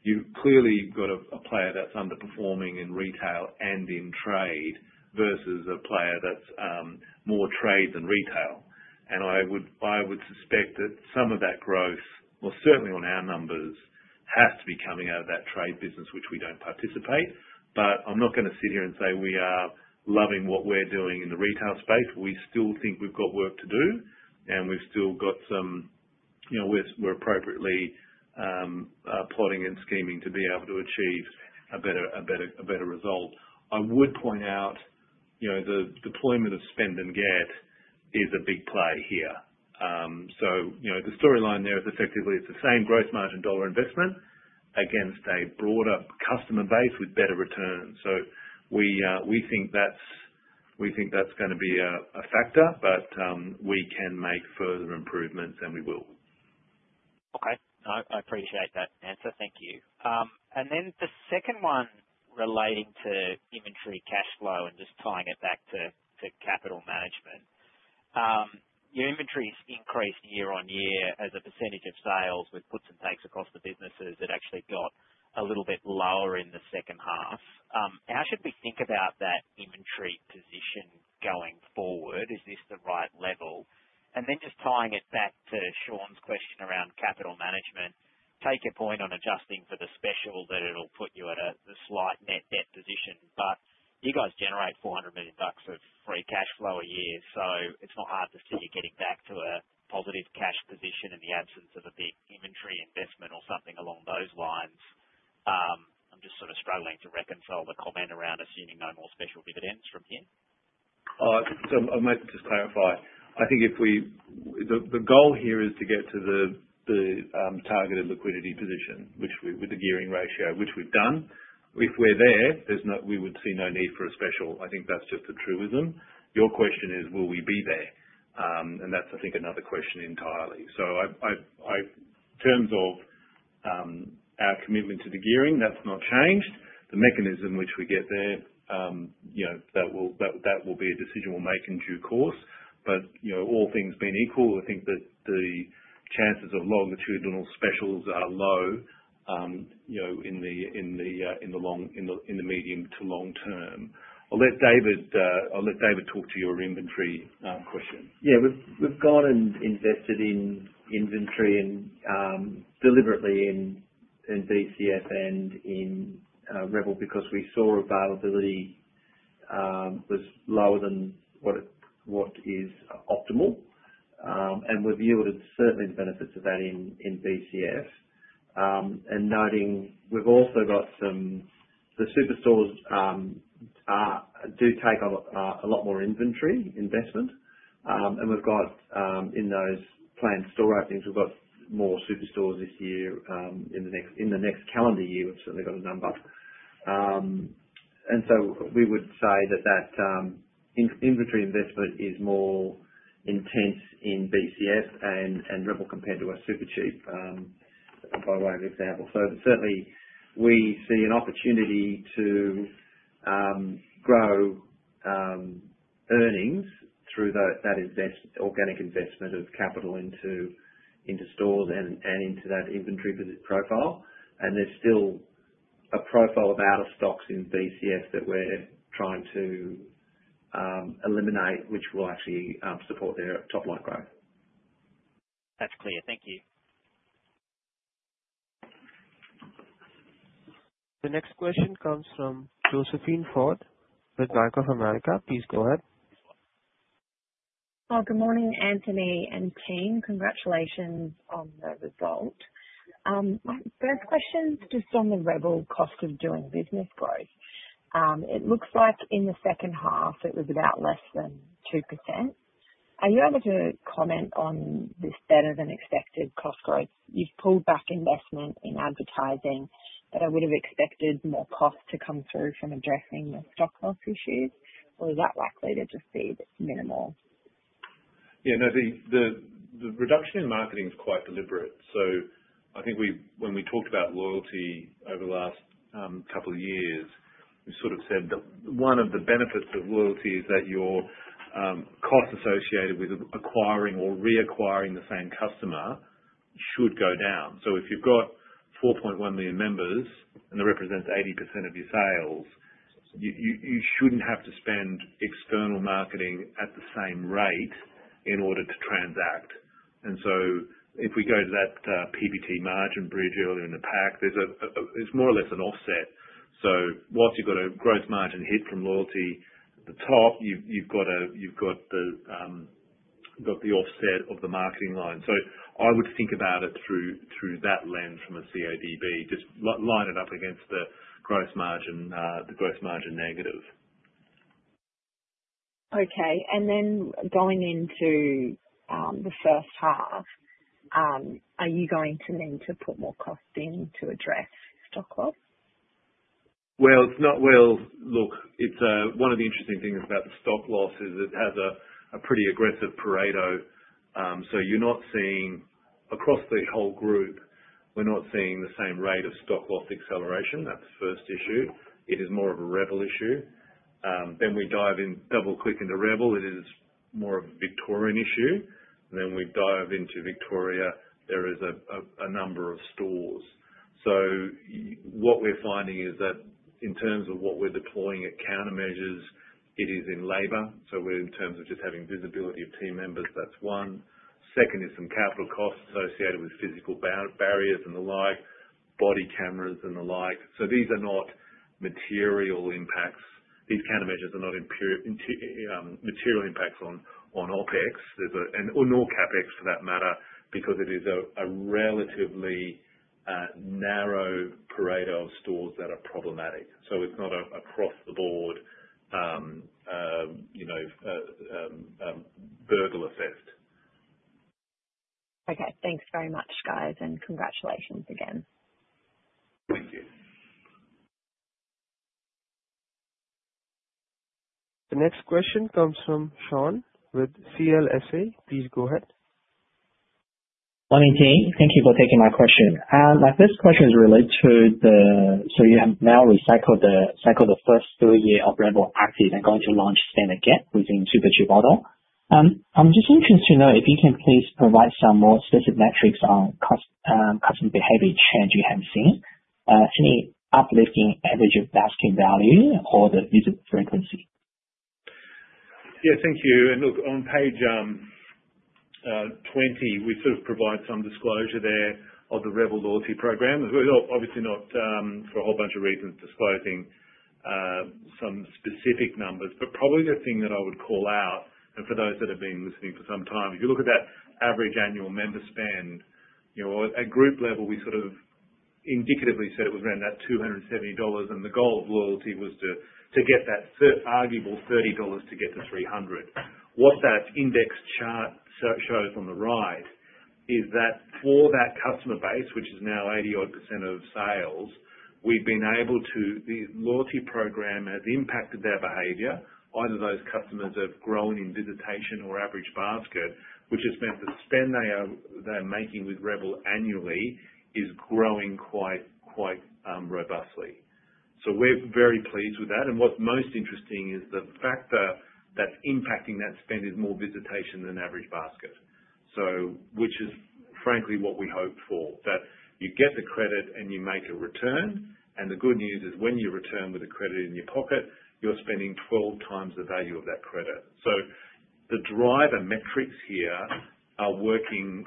you clearly got a player that's underperforming in retail and in trade versus a player that's more trade than retail. I would suspect that some of that growth, or certainly on our numbers, has to be coming out of that trade business, which we don't participate in. I'm not going to sit here and say we are loving what we're doing in the retail space. We still think we've got work to do and we've still got some, you know, we're appropriately plotting and scheming to be able to achieve a better result. I would point out the deployment of Spend and Get is a big play here. The storyline there is effectively it's the same gross margin dollar investment against a broader customer base with better returns. We think that's going to be a factor, but we can make further improvements and we will. Okay, I appreciate that answer. Thank you. The second one relating to inventory cash flow and just tying it back to capital management. Your inventory's increased year on year as a percentage of sales with puts and takes across the businesses that actually got a little bit lower in the second half. How should we think about that inventory position going forward? Is this the right level? Just tying it back to Sean's question around capital management. I take your point on adjusting for the special, that it'll put you at a slight net debt position, but you guys generate $400 million of free cash flow a year. It's not hard to see you getting back to a positive cash position in the absence of a big inventory investment or something along those lines. I'm just sort of struggling to reconcile the comment around assuming no more special dividends from here. I might just clarify. I think if we, the goal here is to get to the targeted liquidity position, which with the gearing ratio, which we've done, if we're there, there's not, we would see no need for a special. I think that's just a truism. Your question is will we be there? That's, I think, another question entirely. In terms of our commitment to the gearing, that's not changed. The mechanism which we get there, you know, that will be a decision we'll make in due course. You know, all things being equal, I think that the chances of longitudinal specials are low, in the medium to long term. I'll let David talk to your inventory question. We've gone and invested in inventory deliberately in BCF and in Rebel because we saw availability was lower than what is optimal, and we've yielded certainly the benefits of that in BCF. Noting we've also got some, the superstore format stores do take a lot more inventory investment, and in those planned store openings, we've got more superstores this year. In the next calendar year, we've. Certainly got a number. We would say that that inventory investment is more intense in BCF and Rebel compared to Supercheap Auto by way of example. Certainly, we see an opportunity to. Grow. Earnings through that. Invest organic investment of capital into stores and into that inventory profile. There's still a profile of stocks in BCF that we're trying to eliminate, which will actually support their top line growth. That's clear. Thank you. The next question comes from Josephine Ford with Bank of America. Please go ahead. Good morning Anthony and team. Congratulations on the result. My first question is just on the Rebel cost of doing business growth. It looks like in the second half it was about less than 2%. Are you able to comment on this better than expected cost growth? You've pulled back investment in advertising. I would have expected more cost to come through from addressing the stock loss issues, or is that likely to just be minimal? Yeah, the reduction in marketing is quite deliberate. I think when we talked about loyalty over the last couple of years, we sort of said that one of the benefits of loyalty is that your cost associated with acquiring or reacquiring the same customer should go down. If you've got 4.1 million members that represents 80% of your sales, you shouldn't have to spend external marketing at the same rate in order to transact. If we go to that PBT margin bridge earlier in the pack, it's more or less an offset. Whilst you've got a gross margin hit from loyalty at the top, you've got the offset of the marketing line. I would think about it through that lens from a CADB, just line it up against the gross margin negative. Okay. Going into the first half, are you going to need to put more cost in to address stock loss? It's one of the interesting things about the stock loss. It has a pretty aggressive Pareto. You're not seeing across the whole group. We're not seeing the same rate of stock loss acceleration. That's the first issue. It is more of a Rebel issue. Then we dive in, double click into Rebel. It is more of a Victorian issue. When we dive into Victoria, there is a number of stores. What we're finding is that in terms of what we're deploying at countermeasures, it is in labor. In terms of just having visibility of team members, that's one. Second is some capital costs associated with physical barriers and the like, body cameras and the like. These are not material impacts. These countermeasures are not material impacts on OpEx nor CapEx for that matter because it is a relatively narrow Pareto of stores that are problematic. It's not across the board, you know, burgle assessed. Okay, thanks very much guys, and congratulations again. The next question comes from Sean with CLSA. Please go ahead. Morning, J. Thank you for taking my question. My first question is related to the, you have now recycled the cycle the first three years of Rebel Active and going to launch Spend and Get using two virtue model. I'm just interested to know if you can please provide some more specific metrics on customer behavior change. You have seen any uplifting average basket value or the visible frequency? Thank you. Look, on page 20 we sort of provide some disclosure there of the Rebel loyalty program. Obviously, not for a whole bunch of reasons disclosing some specific numbers, but probably the thing that I would call out, and for those that have been listening for some time, if you look at that average annual member spend at a group level, we sort of indicatively said it was around that $270, and the goal of loyalty was to get that arguable $30 to get to $300. What that index chart shows on the right is that for that customer base, which is now 80% of sales, we've been able to—the loyalty program has impacted their behavior. Either those customers have grown in visitation or average basket, which has meant the spend they're making with Rebel annually is growing quite robustly. We're very pleased with that. What's most interesting is the factor that's impacting that spend is more visitation than average basket, which is frankly what we hoped for, that you get the credit and you make a return. The good news is when you return with a credit in your pocket, you're spending 12 times the value of that credit. The driver metrics here are working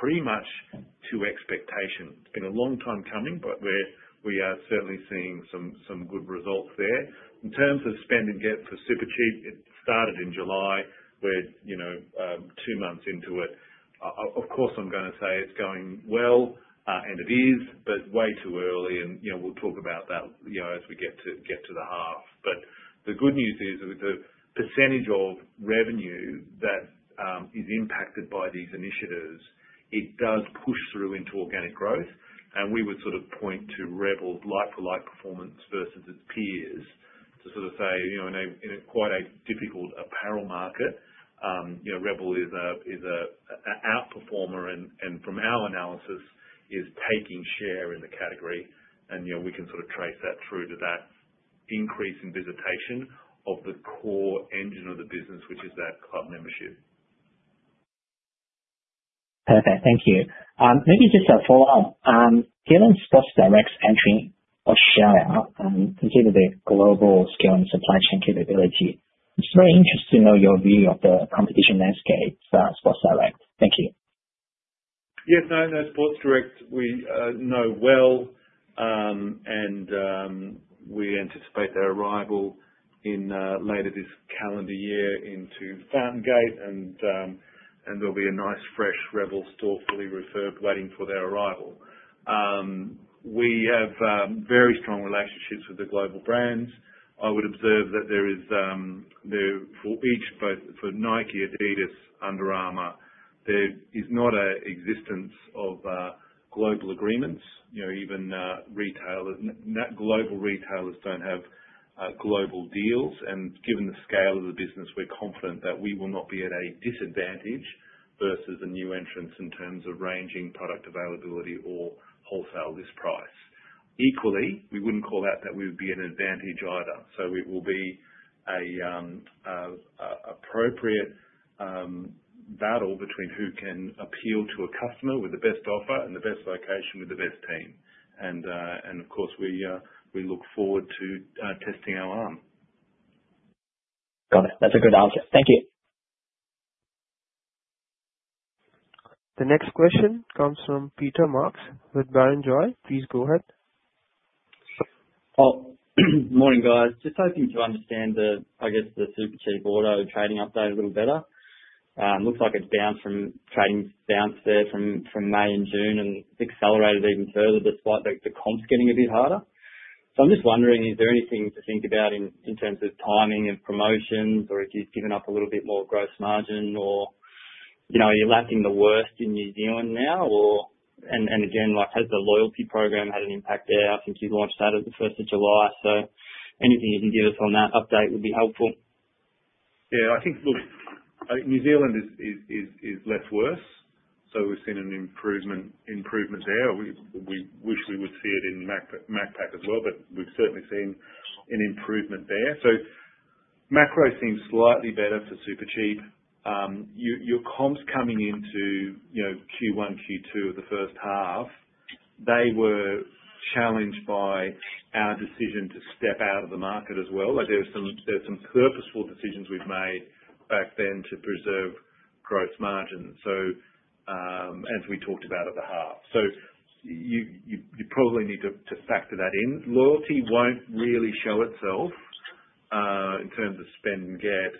pretty much to expectation. It's been a long time coming, but we are certainly seeing some good results there in terms of spend and get for Supercheap Auto. It started in July, where, you know, two months into it, of course I'm going to say it's going well, and it is, but it's way too early, and we'll talk about that as we get to the half. The good news is with the percentage of revenue that is impacted by these initiatives, it does push through into organic growth, and we would sort of point to Rebel like-for-like performance versus its peers to sort of say, in quite a difficult apparel market, Rebel is an outperformer, and from our analysis is taking share in the category, and we can sort of trace that through to that increase in visitation of the core engine of the business, which is that club membership. Perfect, thank you. Maybe just a follow up. Galen Scotch Direct's entry into Australia. Considering the global scale and supply chain capability, it's very interesting to know your view of the competition landscape. Sports Direct. Thank you. Yes, I know Sports Direct, we know well and we anticipate their arrival in later this calendar year into Fountain Gate, and there'll be a nice fresh Rebel store, fully refurbed, waiting for their arrival. We have very strong relationships with the global brands. I would observe that there is the forbearance both for Nike, Adidas, Under Armour. There is not an existence of global agreements. You know, even retailers, global retailers don't have global deals. Given the scale of the business, we're confident that we will not be at a disadvantage versus the new entrants in terms of ranging product availability or wholesale list price equally. We wouldn't call out that we would be at an advantage either. It will be an appropriate battle between who can appeal to a customer with the best offer and the best location with the best team. Of course, we look forward to testing our arm. Got it. That's a good answer. Thank you. The next question comes from Peter Everingham with Baron Joy. Please go ahead. Oh, good morning guys. Just hoping to understand the Supercheap Auto trading update a little better. Looks like it's bounced from trading there from May and June and accelerated even further despite the comps getting a bit harder. I'm just wondering, is there anything to think about in terms of timing of promotions or if you've given up a little bit more gross margin, or are you lapping the worst in New Zealand now? Has the loyalty program had an impact there? I think you launched that at the first of July. there anything you can give us on this? That update would be helpful. Yeah, I think. Look, New Zealand is less worse, so we've seen an improvement there. We wish we would see it in Macpac as well, but we've certainly seen an improvement there. So macro seems slightly better for Supercheap. Your comps coming into Q1, Q2 of the first half, they were challenged by our decision to step out of the market as well. There's some purposeful decisions we've made back then to preserve gross margin. As we talked about at the half, you probably need to factor that in. Loyalty won't really show itself in terms of Spend and Get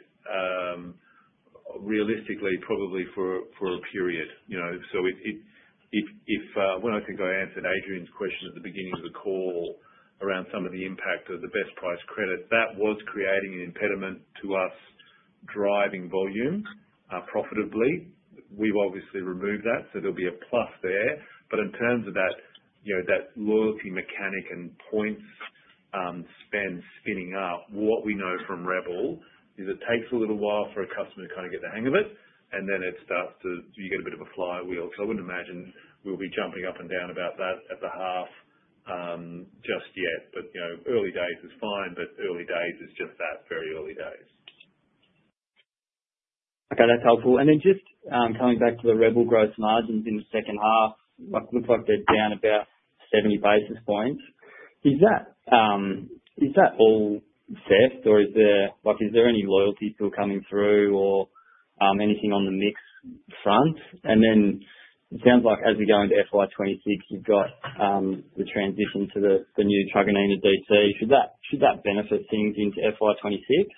realistically, probably for a period. I think I answered Adrian's question at the beginning of the call around some of the impact of the Best Price credit that was creating an impediment to us driving volumes profitably. We've obviously removed that, so there'll be a plus there. In terms of that, you know, that loyalty mechanic and points spend spinning up, what we know from Rebel is it takes a little while for a customer to kind of get the hang of it and then it starts to, you get a bit of a flywheel. I wouldn't imagine we'll be jumping up and down about that at the half just yet. Early days is fine, but early days is just that, very early days. Okay, that's helpful. Just coming back to the Rebel gross margins in the second half, looks like they're down about 70 basis points. Is that all theft or is there. Is there any loyalty still coming through or anything on the mix front? It sounds like as we go into FY2026, you've got the transition to the new Truckanini DT. Should that benefit things into FY2026?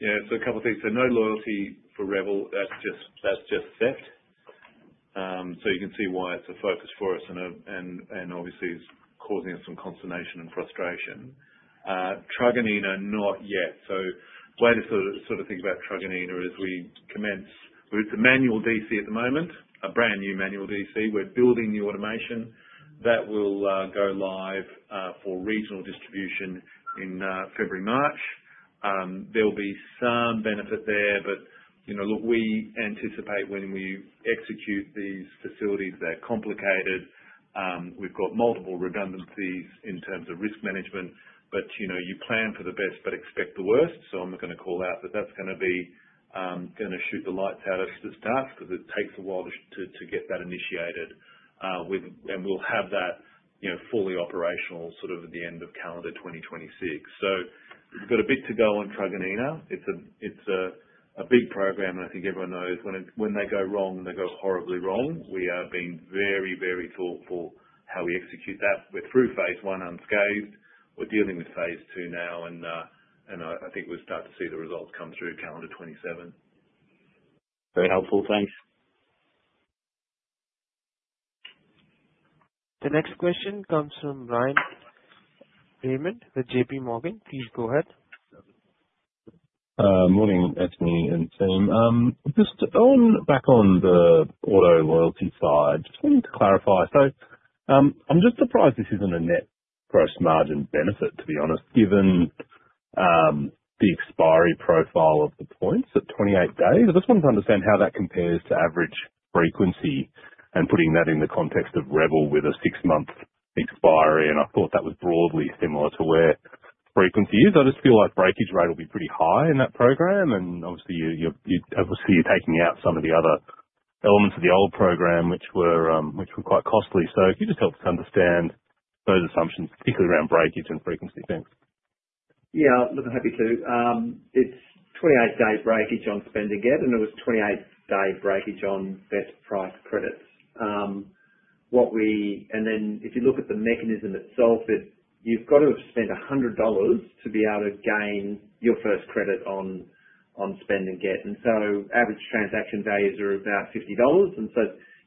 Yeah. A couple of things. No loyalty for Rebel. That's just theft. You can see why it's a focus for us and obviously is causing us some consternation and frustration. Truganina? Not yet. The way to sort of think about Truganina as we commence, it's a manual DC at the moment, a brand new manual DC. We're building the automation that will go live for regional distribution in February, March. There'll be some benefit there. We anticipate when we execute these facilities, they're complicated, we've got multiple redundancies in terms of risk management. You plan for the best but expect the worst. I'm going to call out that that's not going to shoot the lights out of stuff because it takes a while to get that initiated and we'll have that fully operational at the end of calendar 2026. Got a bit to go on Truganina. It's a big program and I think everyone knows when they go wrong, they go horribly wrong. We are being very, very thoughtful how we execute that. We're through phase one unscathed. We're dealing with phase two now and I think we start to see the results come through calendar 2027. Very helpful, thanks. The next question comes from Brian Raymond with JP Morgan. Please go ahead. Morning Anthony and team, just on back on the auto loyalty side. Just wanted to clarify. I'm just surprised this isn't a net gross margin benefit, to be honest, given the expiry profile of the points at 28 days. I just wanted to understand how that compares to average frequency and putting that in the context of Rebel with a six month expiry, and I thought that was broadly similar to where frequency is. I just feel like breakage rate will be pretty high in that program, and obviously you're taking out some of the other elements of the old program, which were quite costly. Can you just help us understand those. Assumptions, particularly around breakage and frequency banks. Yeah, look, I'm happy to. It's 28-day breakage on Spend and Get, and it was 28-day breakage. On Best Price credits, what we. If you look at the mechanism itself, you've got to have spent $100 to be able to gain your first credit on Spend and Get, and so average transaction values are about $50.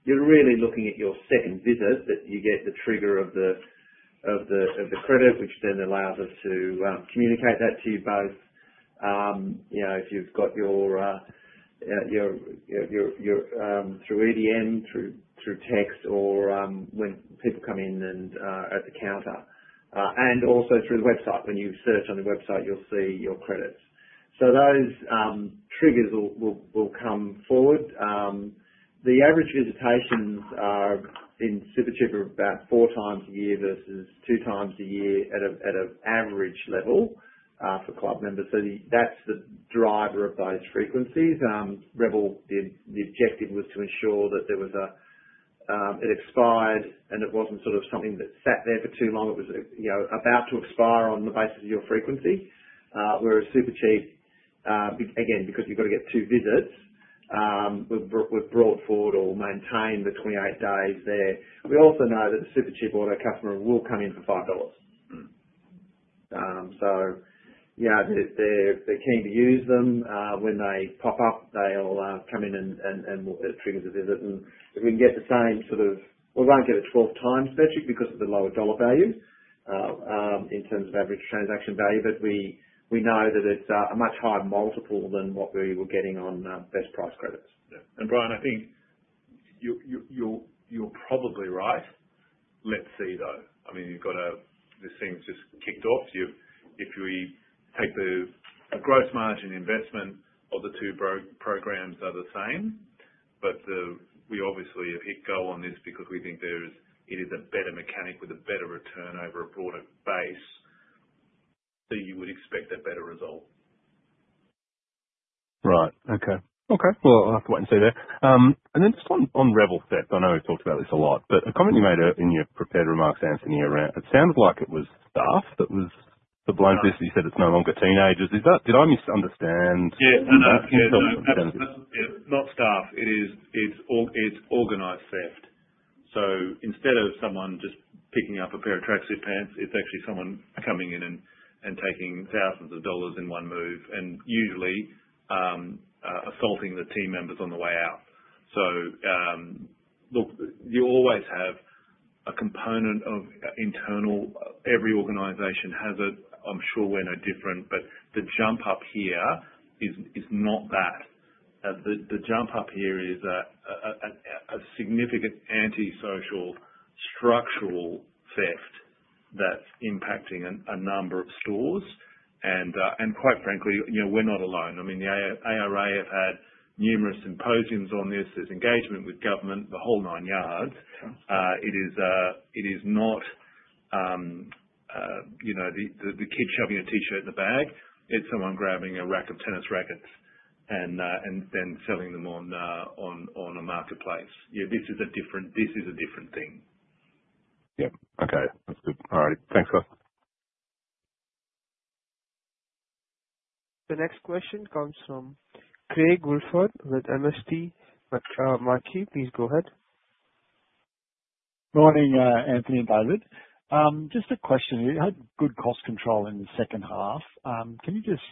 You're really looking at your stepping visit that you get the trigger of the credit, which then allows us to communicate that to you both. If you've got. Through EDM, through text, or when people come in at the counter, and also through the website. When you search on the website, you'll see your credits, so those triggers will come forward. The average visitations are in Supercheap Auto of about four times a year versus two times a year at an average level for club members. That's the driver of those frequencies. Revel. The objective was to ensure that there was a, it expired and it wasn't something that sat there for too long. It was about to expire on the basis of your frequency. Whereas Supercheap Auto, again because you've got to get two visits, we've brought forward or maintained the 28 days there. We also know that the Supercheap Auto customer will come in for $5. If they're keen to use them when they pop up, they'll come in and it triggers a visit. If we can get the same sort of, we won't get a 12 times veggie because of the lower dollar value in terms of average transaction value, but we know that it's a much higher multiple than what we were getting on Best Price credits. Brian, I think you're probably right. Let's see though. I mean, you've got a—this thing's just kicked off. If we take the gross margin investment of the two programs, they're the same, but we obviously have hit go on this because we think there is—it is a better mechanic with a better return over a broader base. You would expect a better result. Right. Okay. Okay. I'll have to wait and see. There and then just on Rebel theft. I know we've talked about this. lot, but a comment you made in your prepared remarks, Anthony, around it sounded like it was staff. That was the blindness. You said it's no longer teenagers. Is that, did I misunderstand? Yeah, not staff. It is, it's organized theft. Instead of someone just picking up a pair of tracksuit pants, it's actually someone coming in and taking thousands of dollars in one move and usually assaulting the team members on the way out. You always have a component of internal. Every organization has it. I'm sure we're no different. The jump up here is not that. The jump up here is a significant antisocial structural theft that's impacting a number of stores. Quite frankly, we're not alone. The ARA have had numerous symposiums on this. There's engagement with government, the whole nine yards. It is not the kid shoving a T-shirt in the bag. It's someone grabbing a rack of tennis rackets and then selling them on a marketplace. Yeah, this is different. This is a different thing. Yep.Okay, that's good. All right, thanks. The next question comes from Craig Wolford with MST Marquis. Please go ahead. Morning, Anthony and David. Just a question here. I had good cost control in the second half. Can you just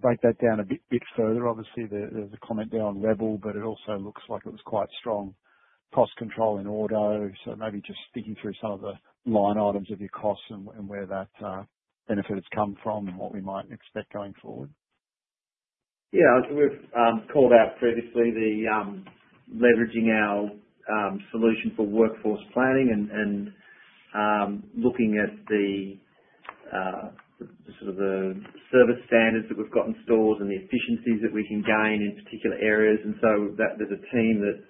break that down a bit further? Obviously there's a comment down Rebel, but it also looks like it was quite. Strong cost control in auto. Maybe just thinking through some of. The line items of your costs. Where that benefit has come from. What we might expect going forward. Yeah, as we've called out previously, leveraging our solution for workforce planning and looking at the. Sort of the service. Standards that we've got in stores and the efficiencies that we can gain in particular areas. There's a team that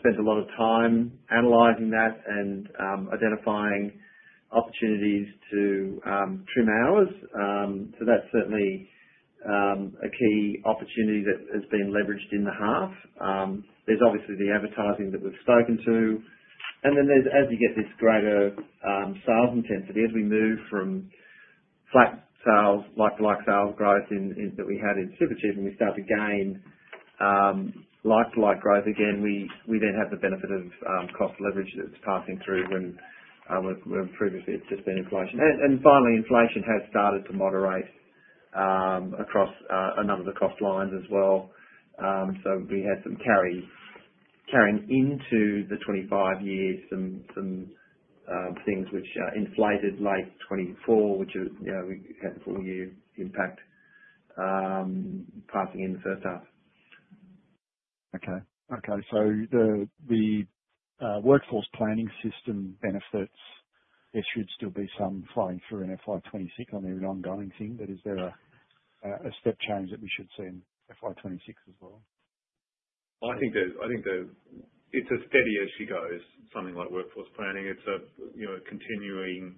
spent a lot of time analyzing that and identifying opportunities to trim hours. That is certainly a key opportunity that has been leveraged in the half. There's obviously the advertising that we've spoken to, and then as you get this greater sales intensity as we move. From flat sales, like-for-like sales. Growth that we had in Supercheap and we start to gain like growth again. We then have the benefit of cost leverage that's passing through when previously it's just been inflation. Finally, inflation has started to moderate across a number of the cost lines as well. We had some carry, carrying into the 2025 year, some things which inflated late 2024 which had the full year. Impact. Passing in the first half. Okay. The workforce planning system benefits, there should still be some flowing through in FY2026 on every ongoing thing. Is there a step change that. We should see in FY2026 as well? I think it's as steady as she goes. Something like workforce planning. It's a continuing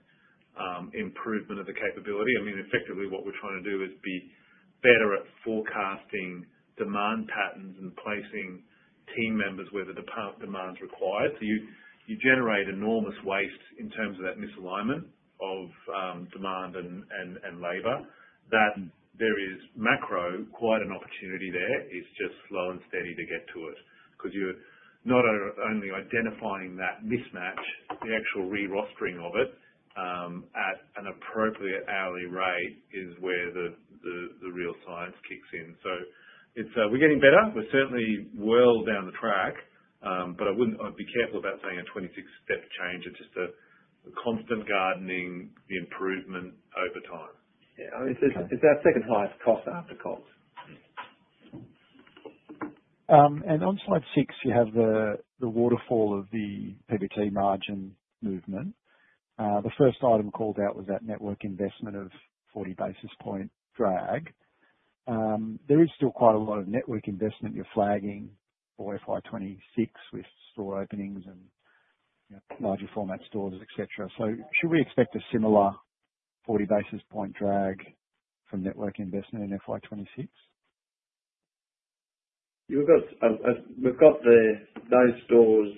improvement of the capability. I mean, effectively what we're trying to do is be better at forecasting demand patterns and placing team members where the demand's required. You generate enormous waste in terms of that misalignment of demand and labor. There is macro quite an opportunity there. It's just slow and steady to get to it. Because you're not only identifying that mismatch, the actual re-rostering of it at an appropriate hourly rate is where the real science kicks in. We're getting better. We're certainly well down the track. I would be careful about saying a 26 step change. It's just a constant gardening the improvement over time. Yeah, it's our second highest cost after COGS. On slide six you have the waterfall of the PBT margin movement. The first item called out was that network investment of 40 basis point drag. There is still quite a lot of. Network investment you're flagging for FY26 with store openings and larger format stores, etc. Should we expect a similar 40 basis point drag from network investment in FY26? We've got those stores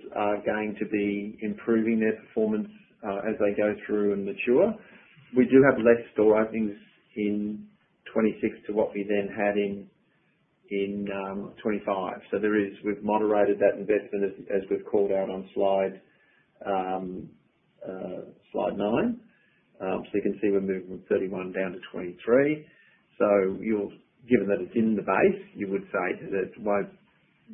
going to be improving their performance as they go through and mature. We do have less store openings in 2026 to what we then had in. In 25. There is. We've moderated that as we've called out. On slide nine. You can see we're moving 31 down to 23. Given that it's in the base, you would say that it won't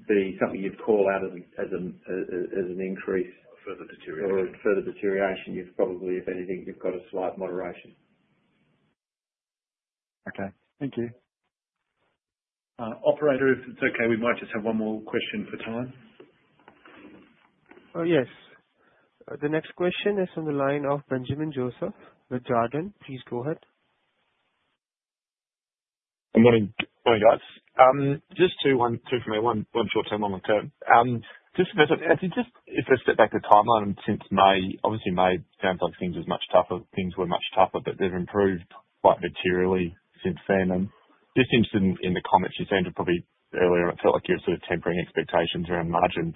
be something you'd call out as an increase, further deterioration, or further deterioration. If anything, you've got a slight moderation. Okay, thank you, operator. If it's okay, we might just have one more question for time. Oh yes. The next question is from the line of Benjamin Joseph de Jardin. Please go ahead. Good morning, guys. Just two. One, two for me. One short term, one long term. If I step back, the timeline since May, obviously May sounds like things were much tougher. Things were much tougher, but they've improved. Quite materially since then. I'm interested in the comments you said probably earlier. It felt like you're sort of tempering expectations around margin.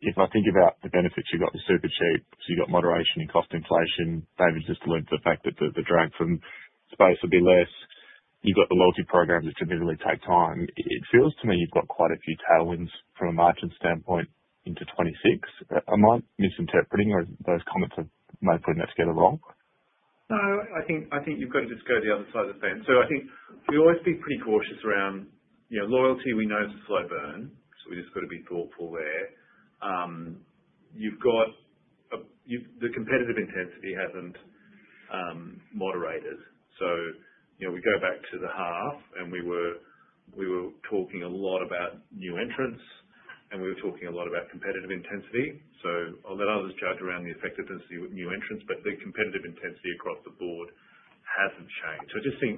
If I think about the benefits you got with Supercheap Auto, you got moderation in cost inflation. David just alluded to the fact that the drag from space would be less. You've got the loyalty programs which immediately take time. It feels to me you've got quite a few tailwinds from a margin standpoint into 2026. I might be misinterpreting, or those comments have. I might pretty much get along. No, I think you've got it. To just go the other side of the fence. I think we always be pretty cautious around loyalty. We know slow burn. We just got to be thoughtful there. The competitive intensity hasn't moderated. We go back to the half and we were talking a lot about new entrants and we were talking a lot about competitive intensity. I'll let others judge around the effectiveness with new entrants. The competitive intensity across the board hasn't changed. I just think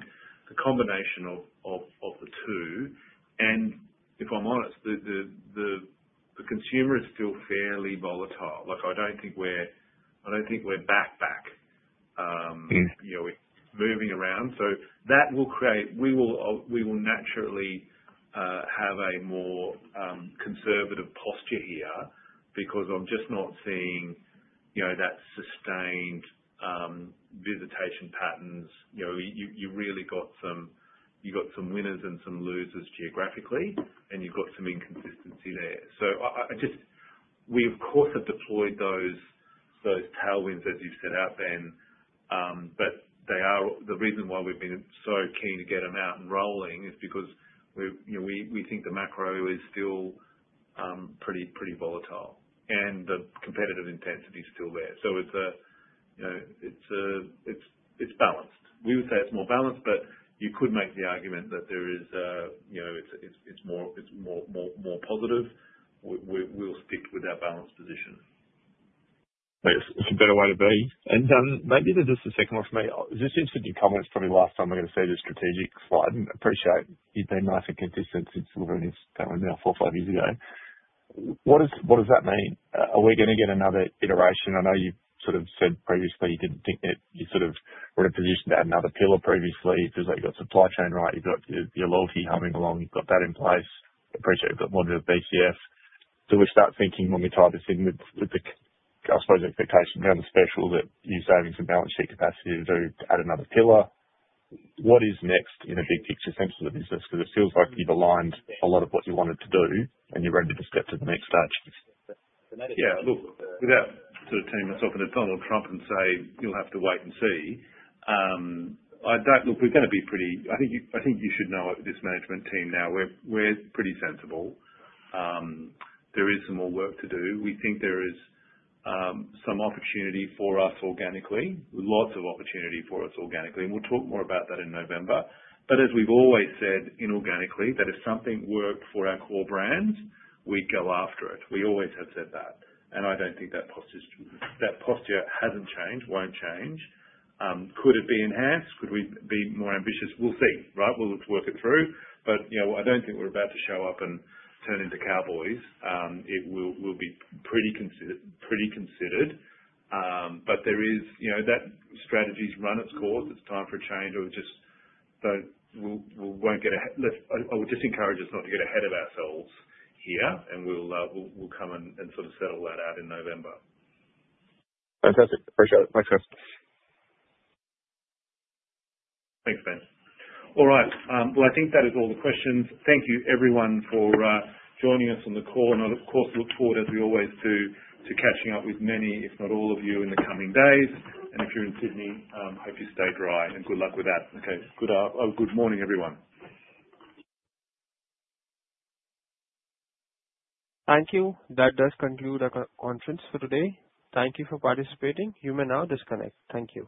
the combination of the two and if I'm honest, the consumer is still fairly volatile. I don't think we're back moving around. That will create. We will naturally have a more conservative posture here because I'm just not seeing that sustained visitation patterns. You really got some. You got some winners and some losers geographically and you've got some inconsistency there. We of course have deployed those tailwinds as you've set out, Ben, but they are the reason why we've been so keen to get them out and rolling is because we think the macro is still pretty volatile and the competitive intensity is still there. It's balanced. We would say it's more balanced, but you could make the argument that there is more positive. We'll stick with that balanced position. It's a better way to be. Maybe just a second one for me, this interesting comment. It's probably the last time we're going to see the strategic slide and appreciate you've been nice and consistent since Silver and it's coming now four or five years ago. What does that mean? Are we going to get another iteration? I know you sort of said previously you didn't think that you were in a position to add another pillar previously. It feels like you've got supply chain right. You've got your loyalty humming along. You've got that in place. Appreciate you've got one of BCF. We start thinking when we tie this in with the expectation around the special that you're saving some balance sheet capacity to add another pillar. What is next in a big picture thanks to the business, because it feels like you've aligned a lot of what you wanted to do and you're ready to step to the next stage. Yeah. Look, without sort of turning yourself into Donald Trump and say you'll have to wait and see. I don't. Look, we're going to be pretty. I think you should know this management team now, we're pretty sensible. There is some more work to do. We think there is some opportunity for us organically, lots of opportunity for us organically, and we'll talk more about that in November. As we've always said, inorganically, if something worked for our core brands, we go after it. We always have said that. I don't think that posture hasn't changed, won't change. Could it be enhanced? Could we be more ambitious? We'll see. Right. We'll work it through. I don't think we're about to show up and turn into cowboys. It will be pretty considered, pretty considered. That strategy's run its course. It's time for a change or just we won't get ahead. I would just encourage us not to get ahead of ourselves here, and we'll come and sort of settle that out in November. Fantastic. Appreciate it. Thanks, guys. Thanks, Ben. I think that is all the questions. Thank you everyone for joining us on the call. I, of course, look forward, as we always do, to catching up with many, if not all of you in the coming days. If you're in Sydney, hope you stay bright. Good luck with that. Good morning, everyone. Thank you. That does conclude our conference for today. Thank you for participating. You may now disconnect. Thank you.